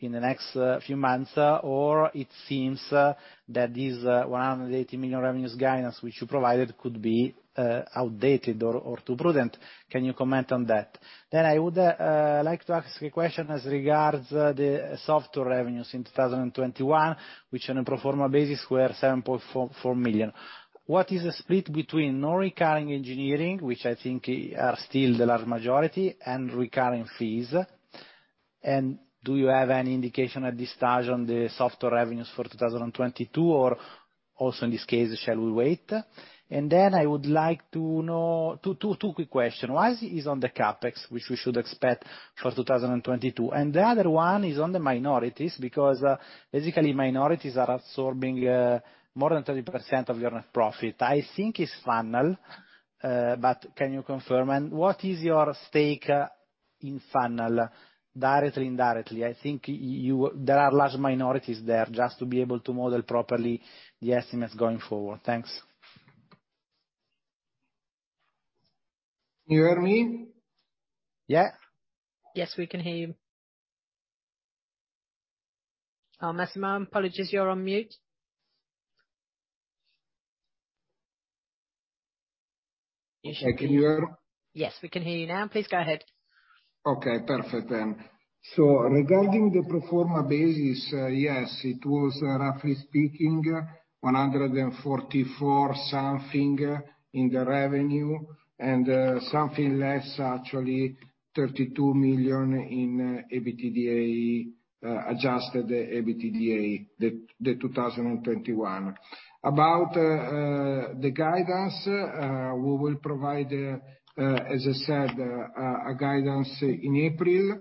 in the next few months, or it seems that this 180 million revenues guidance, which you provided, could be outdated or too prudent. Can you comment on that? I would like to ask a question as regards the software revenues in 2021, which on a pro forma basis were 7.44 million. What is the split between non-recurring engineering, which I think are still the large majority, and recurring fees? Do you have any indication at this stage on the software revenues for 2022, or also in this case, shall we wait? Then I would like to know two quick questions. One is on the CapEx, which we should expect for 2022. The other one is on the minorities, because basically minorities are absorbing more than 30% of your net profit. I think it's Fannal, but can you confirm? What is your stake in Fannal, directly, indirectly? I think there are large minorities there. Just to be able to model properly the estimates going forward. Thanks. Can you hear me? Yeah. Yes, we can hear you. Oh, Massimo, apologies, you're on mute. You should be- Can you hear? Yes, we can hear you now. Please go ahead. Okay, perfect then. Regarding the pro forma basis, yes, it was, roughly speaking, 144 something in the revenue, and something less, actually 32 million in adjusted EBITDA for 2021. About the guidance, we will provide, as I said, a guidance in April.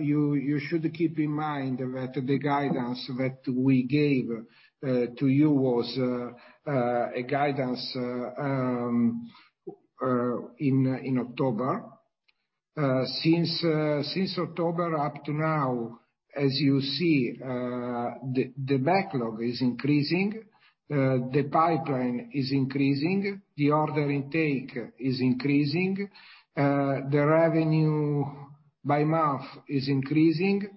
You should keep in mind that the guidance that we gave to you was a guidance in October. Since October up to now, as you see, the backlog is increasing, the pipeline is increasing, the order intake is increasing, the revenue by month is increasing.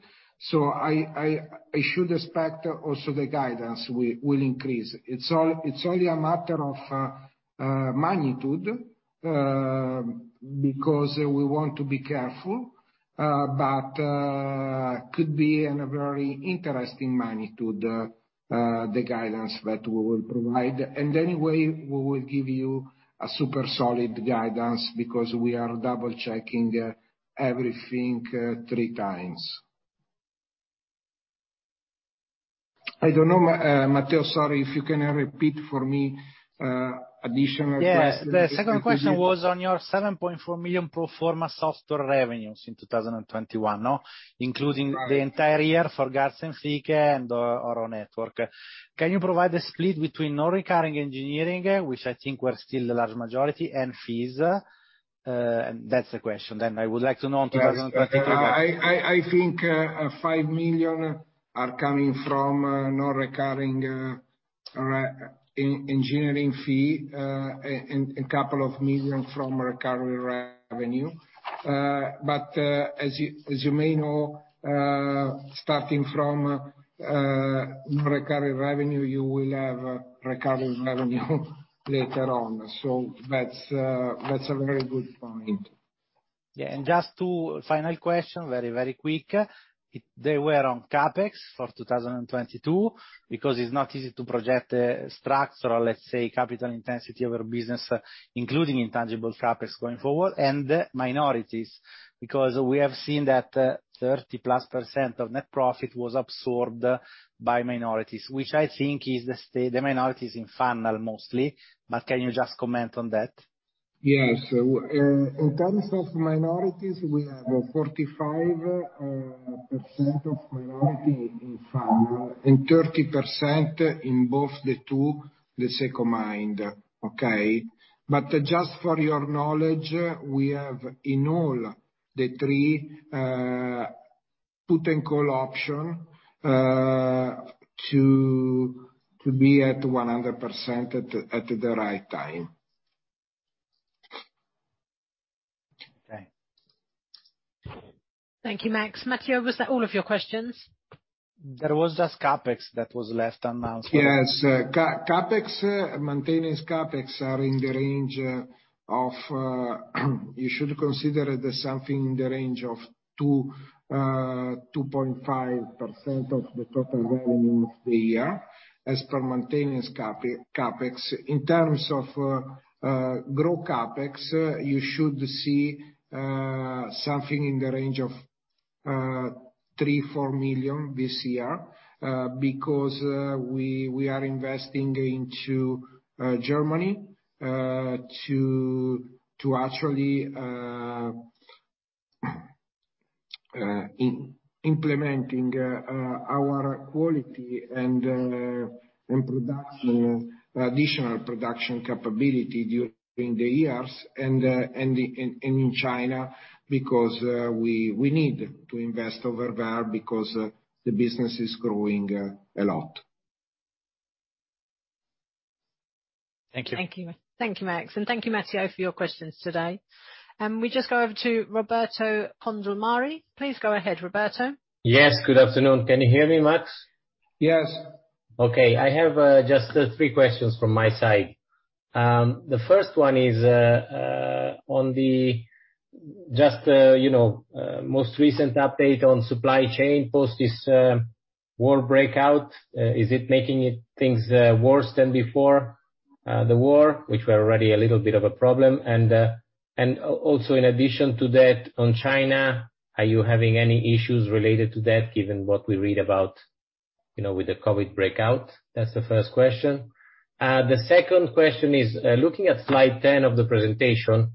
I should expect also the guidance will increase. It's only a matter of magnitude because we want to be careful, but could be in a very interesting magnitude, the guidance that we will provide. Anyway, we will give you a super solid guidance because we are double-checking everything three times. I don't know, Matteo, sorry, if you can repeat for me additional questions. Yeah. The second question was on your 7.4 million pro forma software revenues in 2021, including the entire year for... Got it. Garz & Fricke and ORO Networks. Can you provide the split between non-recurring engineering, which I think were still the large majority, and fees? That's the question. I would like to know on 2021... I think 5 million are coming from non-recurring engineering fee, and a couple of million from recurring revenue. As you may know, starting from non-recurring revenue, you will have recurring revenue later on. That's a very good point. Yeah. Just two final question, very, very quick. They were on CapEx for 2022, because it's not easy to project the structure or let's say capital intensity of our business, including intangible CapEx going forward. Minorities, because we have seen that 30%+ of net profit was absorbed by minorities, which I think is the minorities in Fannal mostly. Can you just comment on that? Yes. In terms of minorities, we have 45% of minority in Fannal and 30% in both the two, let's say, combined. Okay? Just for your knowledge, we have in all the three put and call option to be at 100% at the right time. Okay. Thank you, Mass. Matteo, was that all of your questions? There was just CapEx that was left unanswered. Yes. Maintenance CapEx are in the range of 2.5% of the total revenue of the year as per maintenance CapEx. In terms of growth CapEx, you should see something in the range of 3 million–4 million this year because we are investing into Germany to actually implementing our quality and production, additional production capability during the years and in China because we need to invest over there because the business is growing a lot. Thank you. Thank you. Thank you, Mass, and thank you, Matteo, for your questions today. We just go over to Roberto Condulmari. Please go ahead, Roberto. Yes, good afternoon. Can you hear me, Mass? Yes. Okay. I have just three questions from my side. The first one is on just you know the most recent update on supply chain post this war breakout. Is it making things worse than before the war, which were already a little bit of a problem? Also in addition to that, on China, are you having any issues related to that given what we read about you know with the COVID breakout? That's the first question. The second question is looking at slide 10 of the presentation,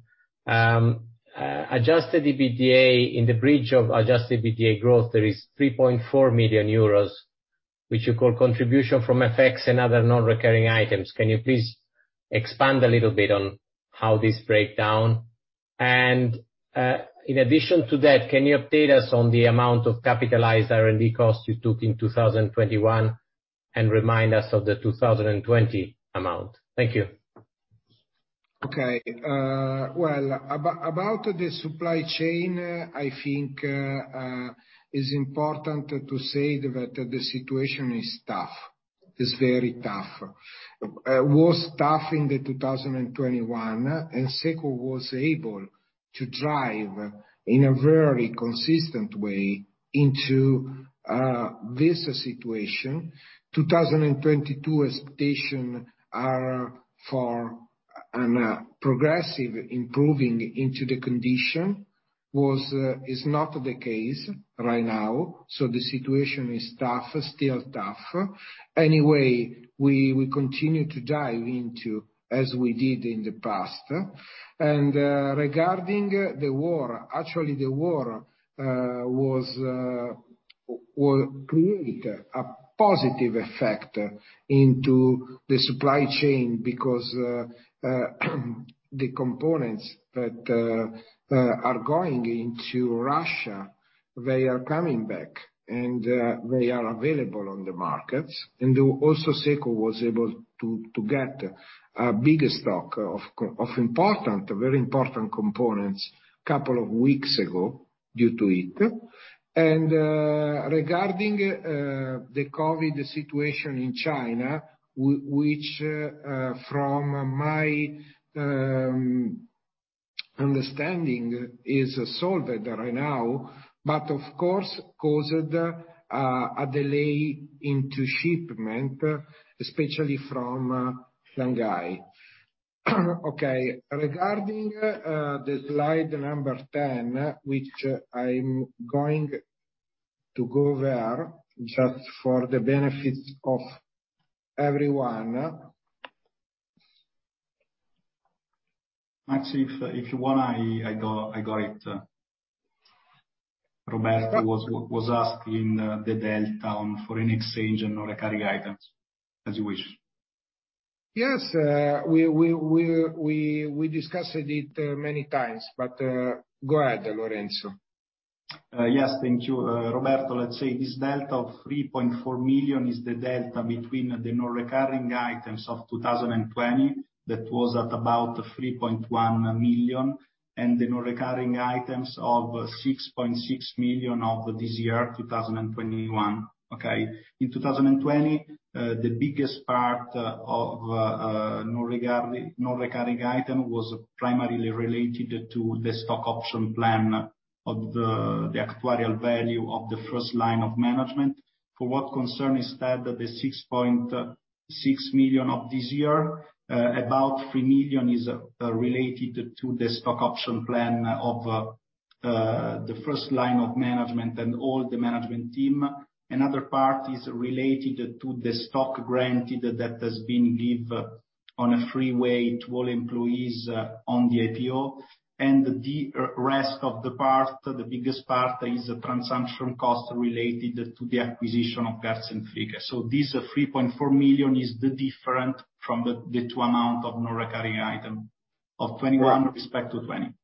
adjusted EBITDA in the bridge of adjusted EBITDA growth, there is 3.4 million euros, which you call contribution from FX and other non-recurring items. Can you please expand a little bit on how this breaks down? In addition to that, can you update us on the amount of capitalized R&D costs you took in 2021 and remind us of the 2020 amount? Thank you. Okay. Well, about the supply chain, I think it's important to say that the situation is tough. It's very tough. It was tough in 2021, and SECO was able to drive in a very consistent way into this situation. 2022 expectations are for a progressive improving into the condition. It is not the case right now, so the situation is tough, still tough. Anyway, we continue to dive into as we did in the past. Regarding the war, actually the war will create a positive effect into the supply chain because the components that are going into Russia, they are coming back and they are available on the markets. Also SECO was able to get a bigger stock of important, very important components couple of weeks ago due to it. Regarding the COVID situation in China, which from my understanding is solved right now, but of course caused a delay into shipment, especially from Shanghai. Okay, regarding the slide 10, which I'm going to go there just for the benefit of everyone Mass, if you want, I got it. Roberto was asking the delta on foreign exchange and non-recurring items, as you wish. Yes, we discussed it many times, but go ahead, Lorenzo. Yes, thank you, Roberto. Let's say this delta of 3.4 million is the delta between the non-recurring items of 2020, that was at about 3.1 million, and the non-recurring items of 6.6 million of this year, 2021. Okay. In 2020, the biggest part of non-recurring item was primarily related to the stock option plan of the actuarial value of the first line of management. For what concerns instead the 6.6 million of this year, about 3 million is related to the stock option plan of the first line of management and all the management team. Another part is related to the stock grant that has been give on a free way to all employees on the IPO. The rest of the part, the biggest part is transaction costs related to the acquisition of Garz & Fricke. This 3.4 million is the difference between the two amounts of non-recurring items of 2021 with respect to 2020.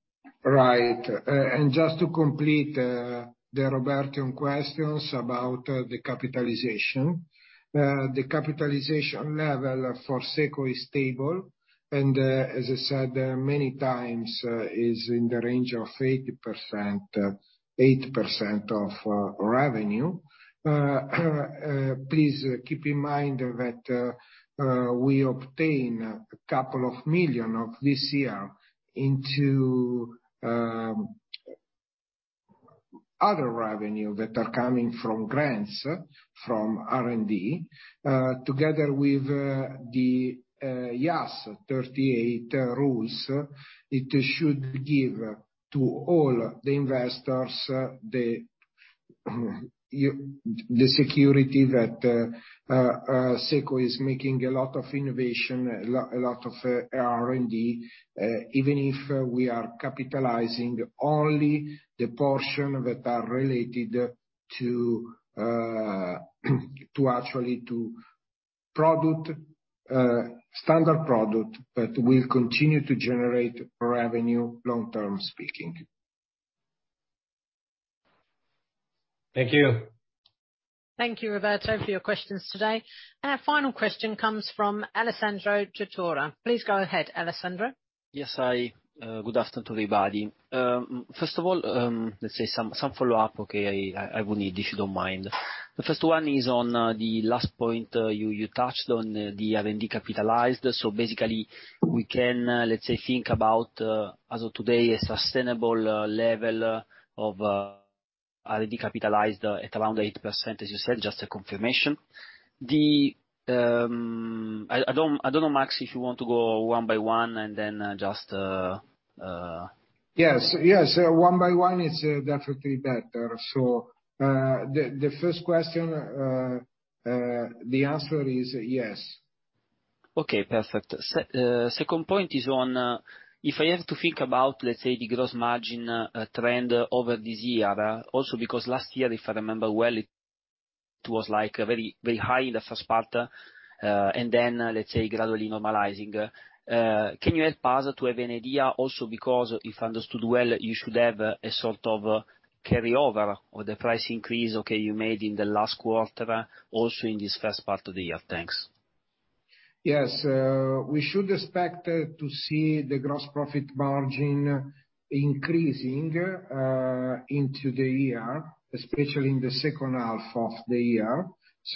Right. Just to complete the Roberto questions about the capitalization. The capitalization level for SECO is stable, and as I said many times, is in the range of 8% of revenue. Please keep in mind that we obtain a couple of million this year into other revenue that are coming from grants from R&D. Together with the IAS 38 rules, it should give to all the investors the security that SECO is making a lot of innovation, a lot of R&D, even if we are capitalizing only the portion that are related to product, standard product that will continue to generate revenue long-term speaking. Thank you. Thank you, Roberto, for your questions today. Our final question comes from Alessandro Tortora. Please go ahead, Alessandro. Good afternoon, everybody. First of all, let's say some follow-up, okay. I will need, if you don't mind. The first one is on the last point you touched on the R&D capitalized. Basically we can let's say think about as of today a sustainable level of R&D capitalized at around 8%, as you said, just a confirmation. I don't know, Mass, if you want to go one by one and then just Yes, yes. One by one is definitely better. The first question, the answer is yes. Okay, perfect. Second point is on, if I have to think about, let's say, the gross margin trend over this year, also because last year, if I remember well, it was like very, very high in the first part, and then, let's say, gradually normalizing. Can you help us to have an idea also because if I understood well, you should have a sort of carryover or the price increase, okay, you made in the last quarter also in this first part of the year. Thanks. Yes, we should expect to see the gross profit margin increasing into the year, especially in the second half of the year.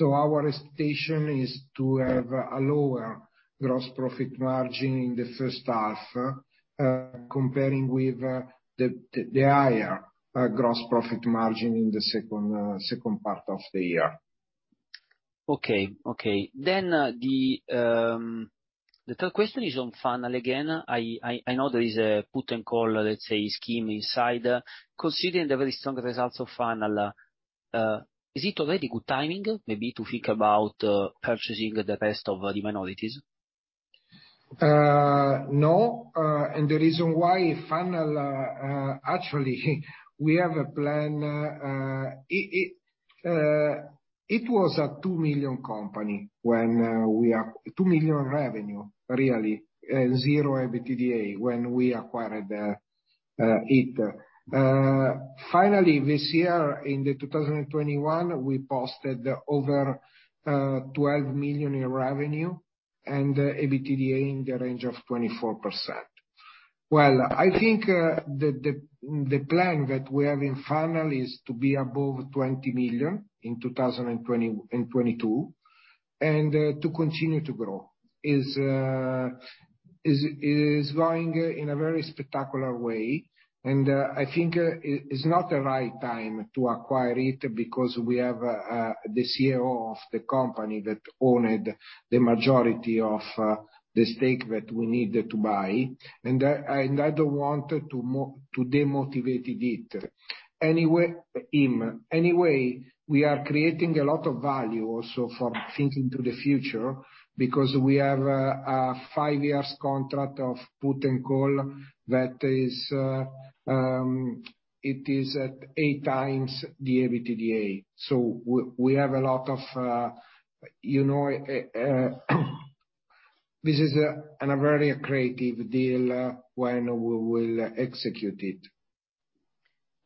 Our expectation is to have a lower gross profit margin in the first half, comparing with the higher gross profit margin in the second part of the year. The third question is on Fannal again. I know there is a put and call, let's say, scheme inside. Considering the very strong results of Fannal, is it already good timing maybe to think about purchasing the rest of the minorities? No. The reason why Fannal, actually, we have a plan. It was a 2 million company when we acquired it, 2 million revenue really, and 0 EBITDA. Finally, this year in 2021, we posted over 12 million in revenue and EBITDA in the range of 24%. Well, I think the plan that we have in Fannal is to be above 20 million in 2022 and to continue to grow. It is growing in a very spectacular way, and I think it's not the right time to acquire it because we have the CEO of the company that owned the majority of the stake that we needed to buy, and I don't want to demotivate him. Anyway, we are creating a lot of value also from thinking to the future because we have a five-year contract of put and call that is at 8x the EBITDA. We have a lot of, you know. This is a very creative deal when we will execute it.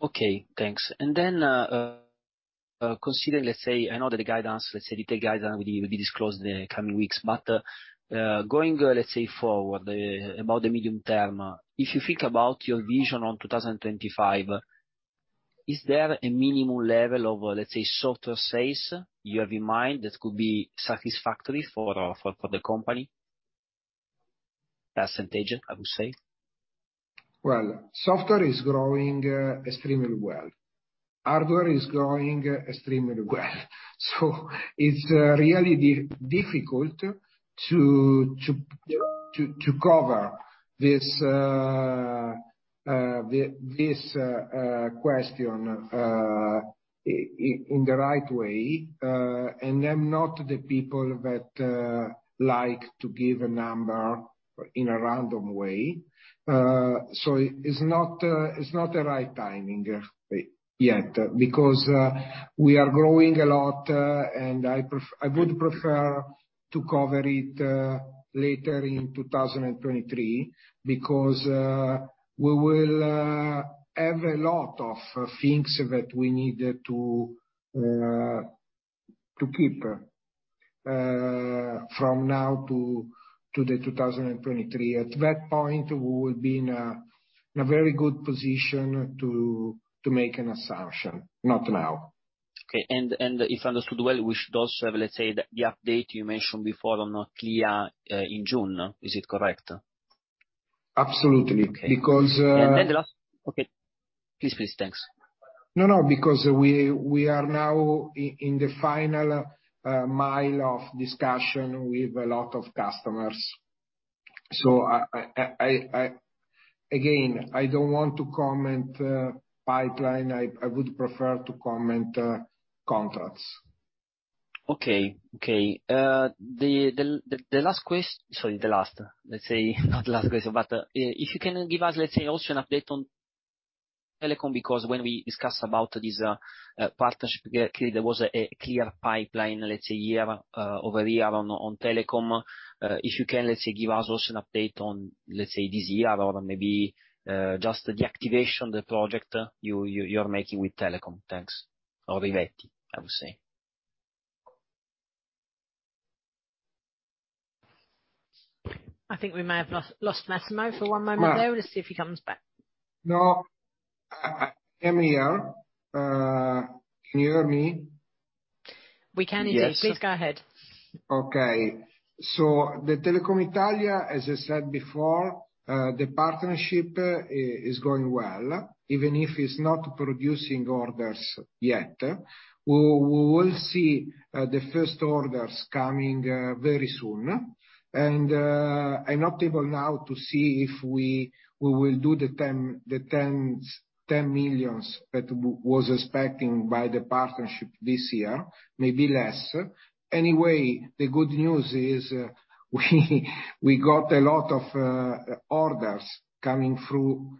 Okay, thanks. Considering, let's say, I know that the guidance, let's say the tech guidance will be disclosed in the coming weeks, but going, let's say forward, about the medium term, if you think about your vision on 2025, is there a minimum level of, let's say, software sales you have in mind that could be satisfactory for the company? Percentage, I would say. Well, software is growing extremely well. Hardware is growing extremely well. It's really difficult to cover this question in the right way, and I'm not the people that like to give a number in a random way. It's not the right timing yet because we are growing a lot, and I would prefer to cover it later in 2023 because we will have a lot of things that we need to keep from now to 2023. At that point, we will be in a very good position to make an assumption. Not now. If understood well, we should also have, let's say, the update you mentioned before on CLEA, in June. Is it correct? Absolutely. Okay. Because... Okay. Please. Thanks. No. Because we are now in the final mile of discussion with a lot of customers. Again, I don't want to comment pipeline. I would prefer to comment contracts. Sorry, the last, let's say not last question, but if you can give us, let's say, also an update on Telecom, because when we discussed about this partnership, CLEA, there was a clear pipeline, let's say, year over year on Telecom. If you can, let's say, give us also an update on, let's say, this year or maybe just the activation, the project you're making with Telecom. Thanks. Olivetti, I would say. I think we may have lost Massimo for one moment there. No. Let's see if he comes back. No. I am here. Can you hear me? We can indeed. Yes. Please go ahead. Okay. The Telecom Italia, as I said before, the partnership is going well, even if it's not producing orders yet. We will see the first orders coming very soon. I'm not able now to see if we will do the 10 million that was expecting by the partnership this year. Maybe less. Anyway, the good news is, we got a lot of orders coming through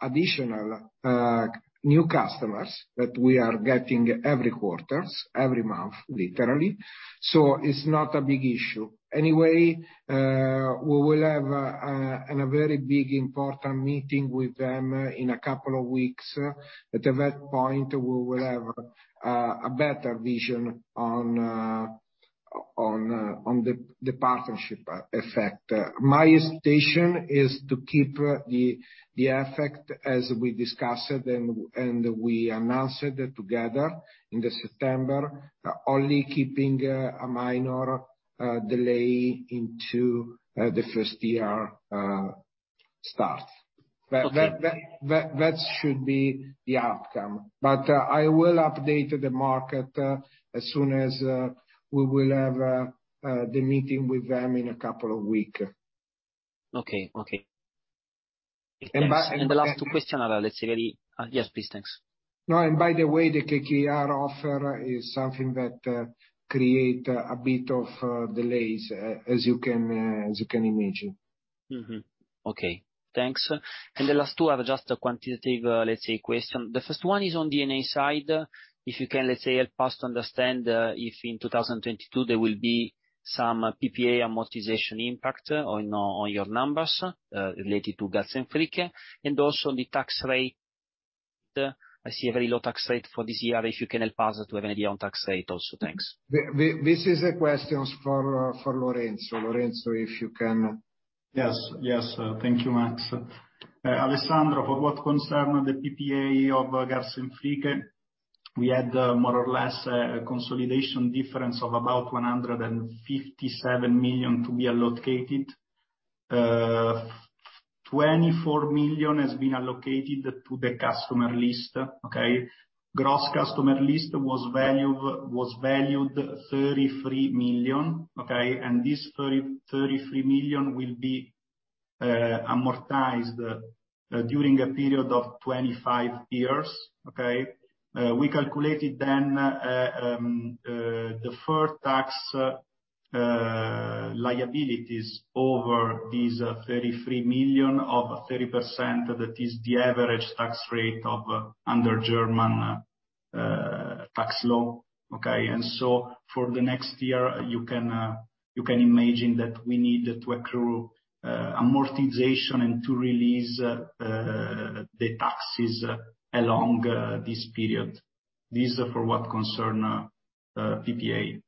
additional new customers that we are getting every quarters, every month literally. It's not a big issue. Anyway, we will have a very big important meeting with them in a couple of weeks. At that point we will have a better vision on the partnership effect. My estimation is to keep the effect as we discussed and we announced together in September, only keeping a minor delay into the first year start. Okay. That should be the outcome. I will update the market as soon as we will have the meeting with them in a couple of weeks. Okay. The last two questions are, let's say, really. Yes please. Thanks. No, by the way, the KKR offer is something that creates a bit of delays as you can imagine. Mm-hmm. Okay. Thanks. The last two are just a quantitative, let's say, question. The first one is on D&A side. If you can, let's say, help us to understand if in 2022 there will be some PPA amortization impact on your numbers related to Garz & Fricke. Also on the tax rate, I see a very low tax rate for this year. If you can help us to have an idea on tax rate also. Thanks. This is a question for Lorenzo. Lorenzo, if you can. Yes, yes. Thank you, Mass. Alessandro, for what concerns the PPA of Garz & Fricke, we had more or less a consolidation difference of about 157 million to be allocated. 24 million has been allocated to the customer list, okay? Gross customer list was valued 33 million, okay? This 33 million will be amortized during a period of 25 years. Okay? We calculated then the fair tax liabilities over these 33 million of 30%. That is the average tax rate under German tax law. Okay? For the next year you can imagine that we need to accrue amortization and to release the taxes along this period. This for what concerns PPA.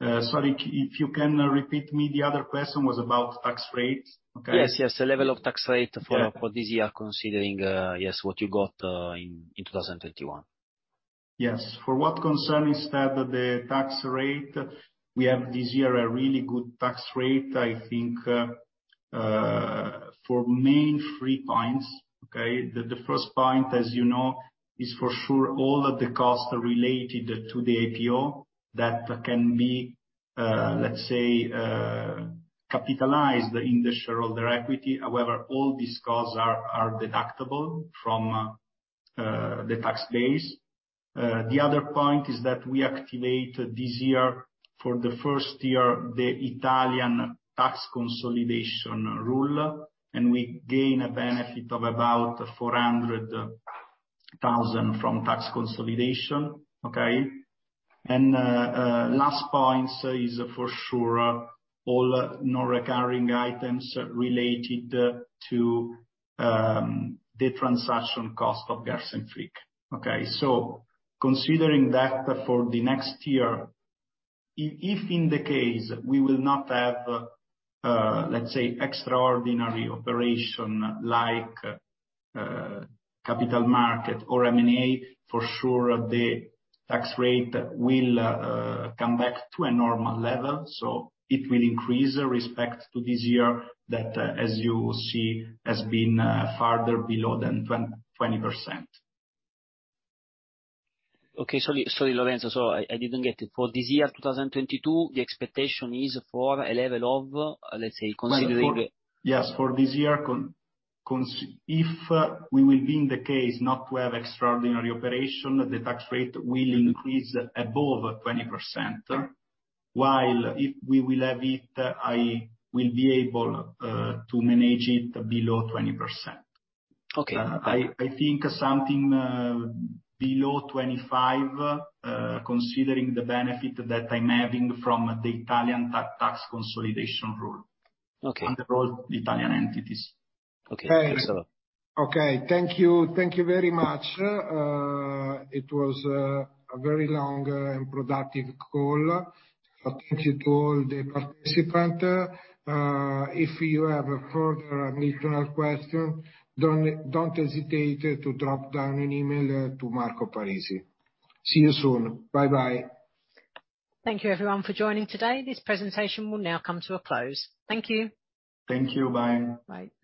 Sorry if you can repeat me, the other question was about tax rate, okay? Yes, yes. The level of tax rate... Yeah. for this year, considering yes, what you got in 2021. Yes. For what concerns instead the tax rate, we have this year a really good tax rate, I think, for main three points. Okay? The first point, as you know, is for sure all of the costs related to the IPO that can be, let's say, capitalized in the shareholder equity. However, all these costs are deductible from the tax base. The other point is that we activate this year, for the first year, the Italian tax consolidation rule, and we gain a benefit of about 400,000 from tax consolidation. Okay? Last point is for sure all non-recurring items related to the transaction cost of Garz & Fricke. Okay? Considering that for the next year, if in the case we will not have, let's say, extraordinary operation like capital market or M&A, for sure the tax rate will come back to a normal level. It will increase with respect to this year that, as you see, has been further below than 20%. Okay. Sorry, Lorenzo. I didn't get it. For this year, 2022, the expectation is for a level of, let's say, considering. Yes, for this year. If we will be in the case not to have extraordinary operation, the tax rate will increase above 20%. While if we will have it, I will be able to manage it below 20%. Okay. I think something below 25, considering the benefit that I'm having from the Italian tax consolidation rule. Okay On the road, Italian entities. Okay. Excellent. Okay. Thank you. Thank you very much. It was a very long and productive call. Thank you to all the participants. If you have a further additional question, don't hesitate to drop an email to Marco Parisi. See you soon. Bye-bye. Thank you everyone for joining today. This presentation will now come to a close. Thank you. Thank you. Bye. Bye.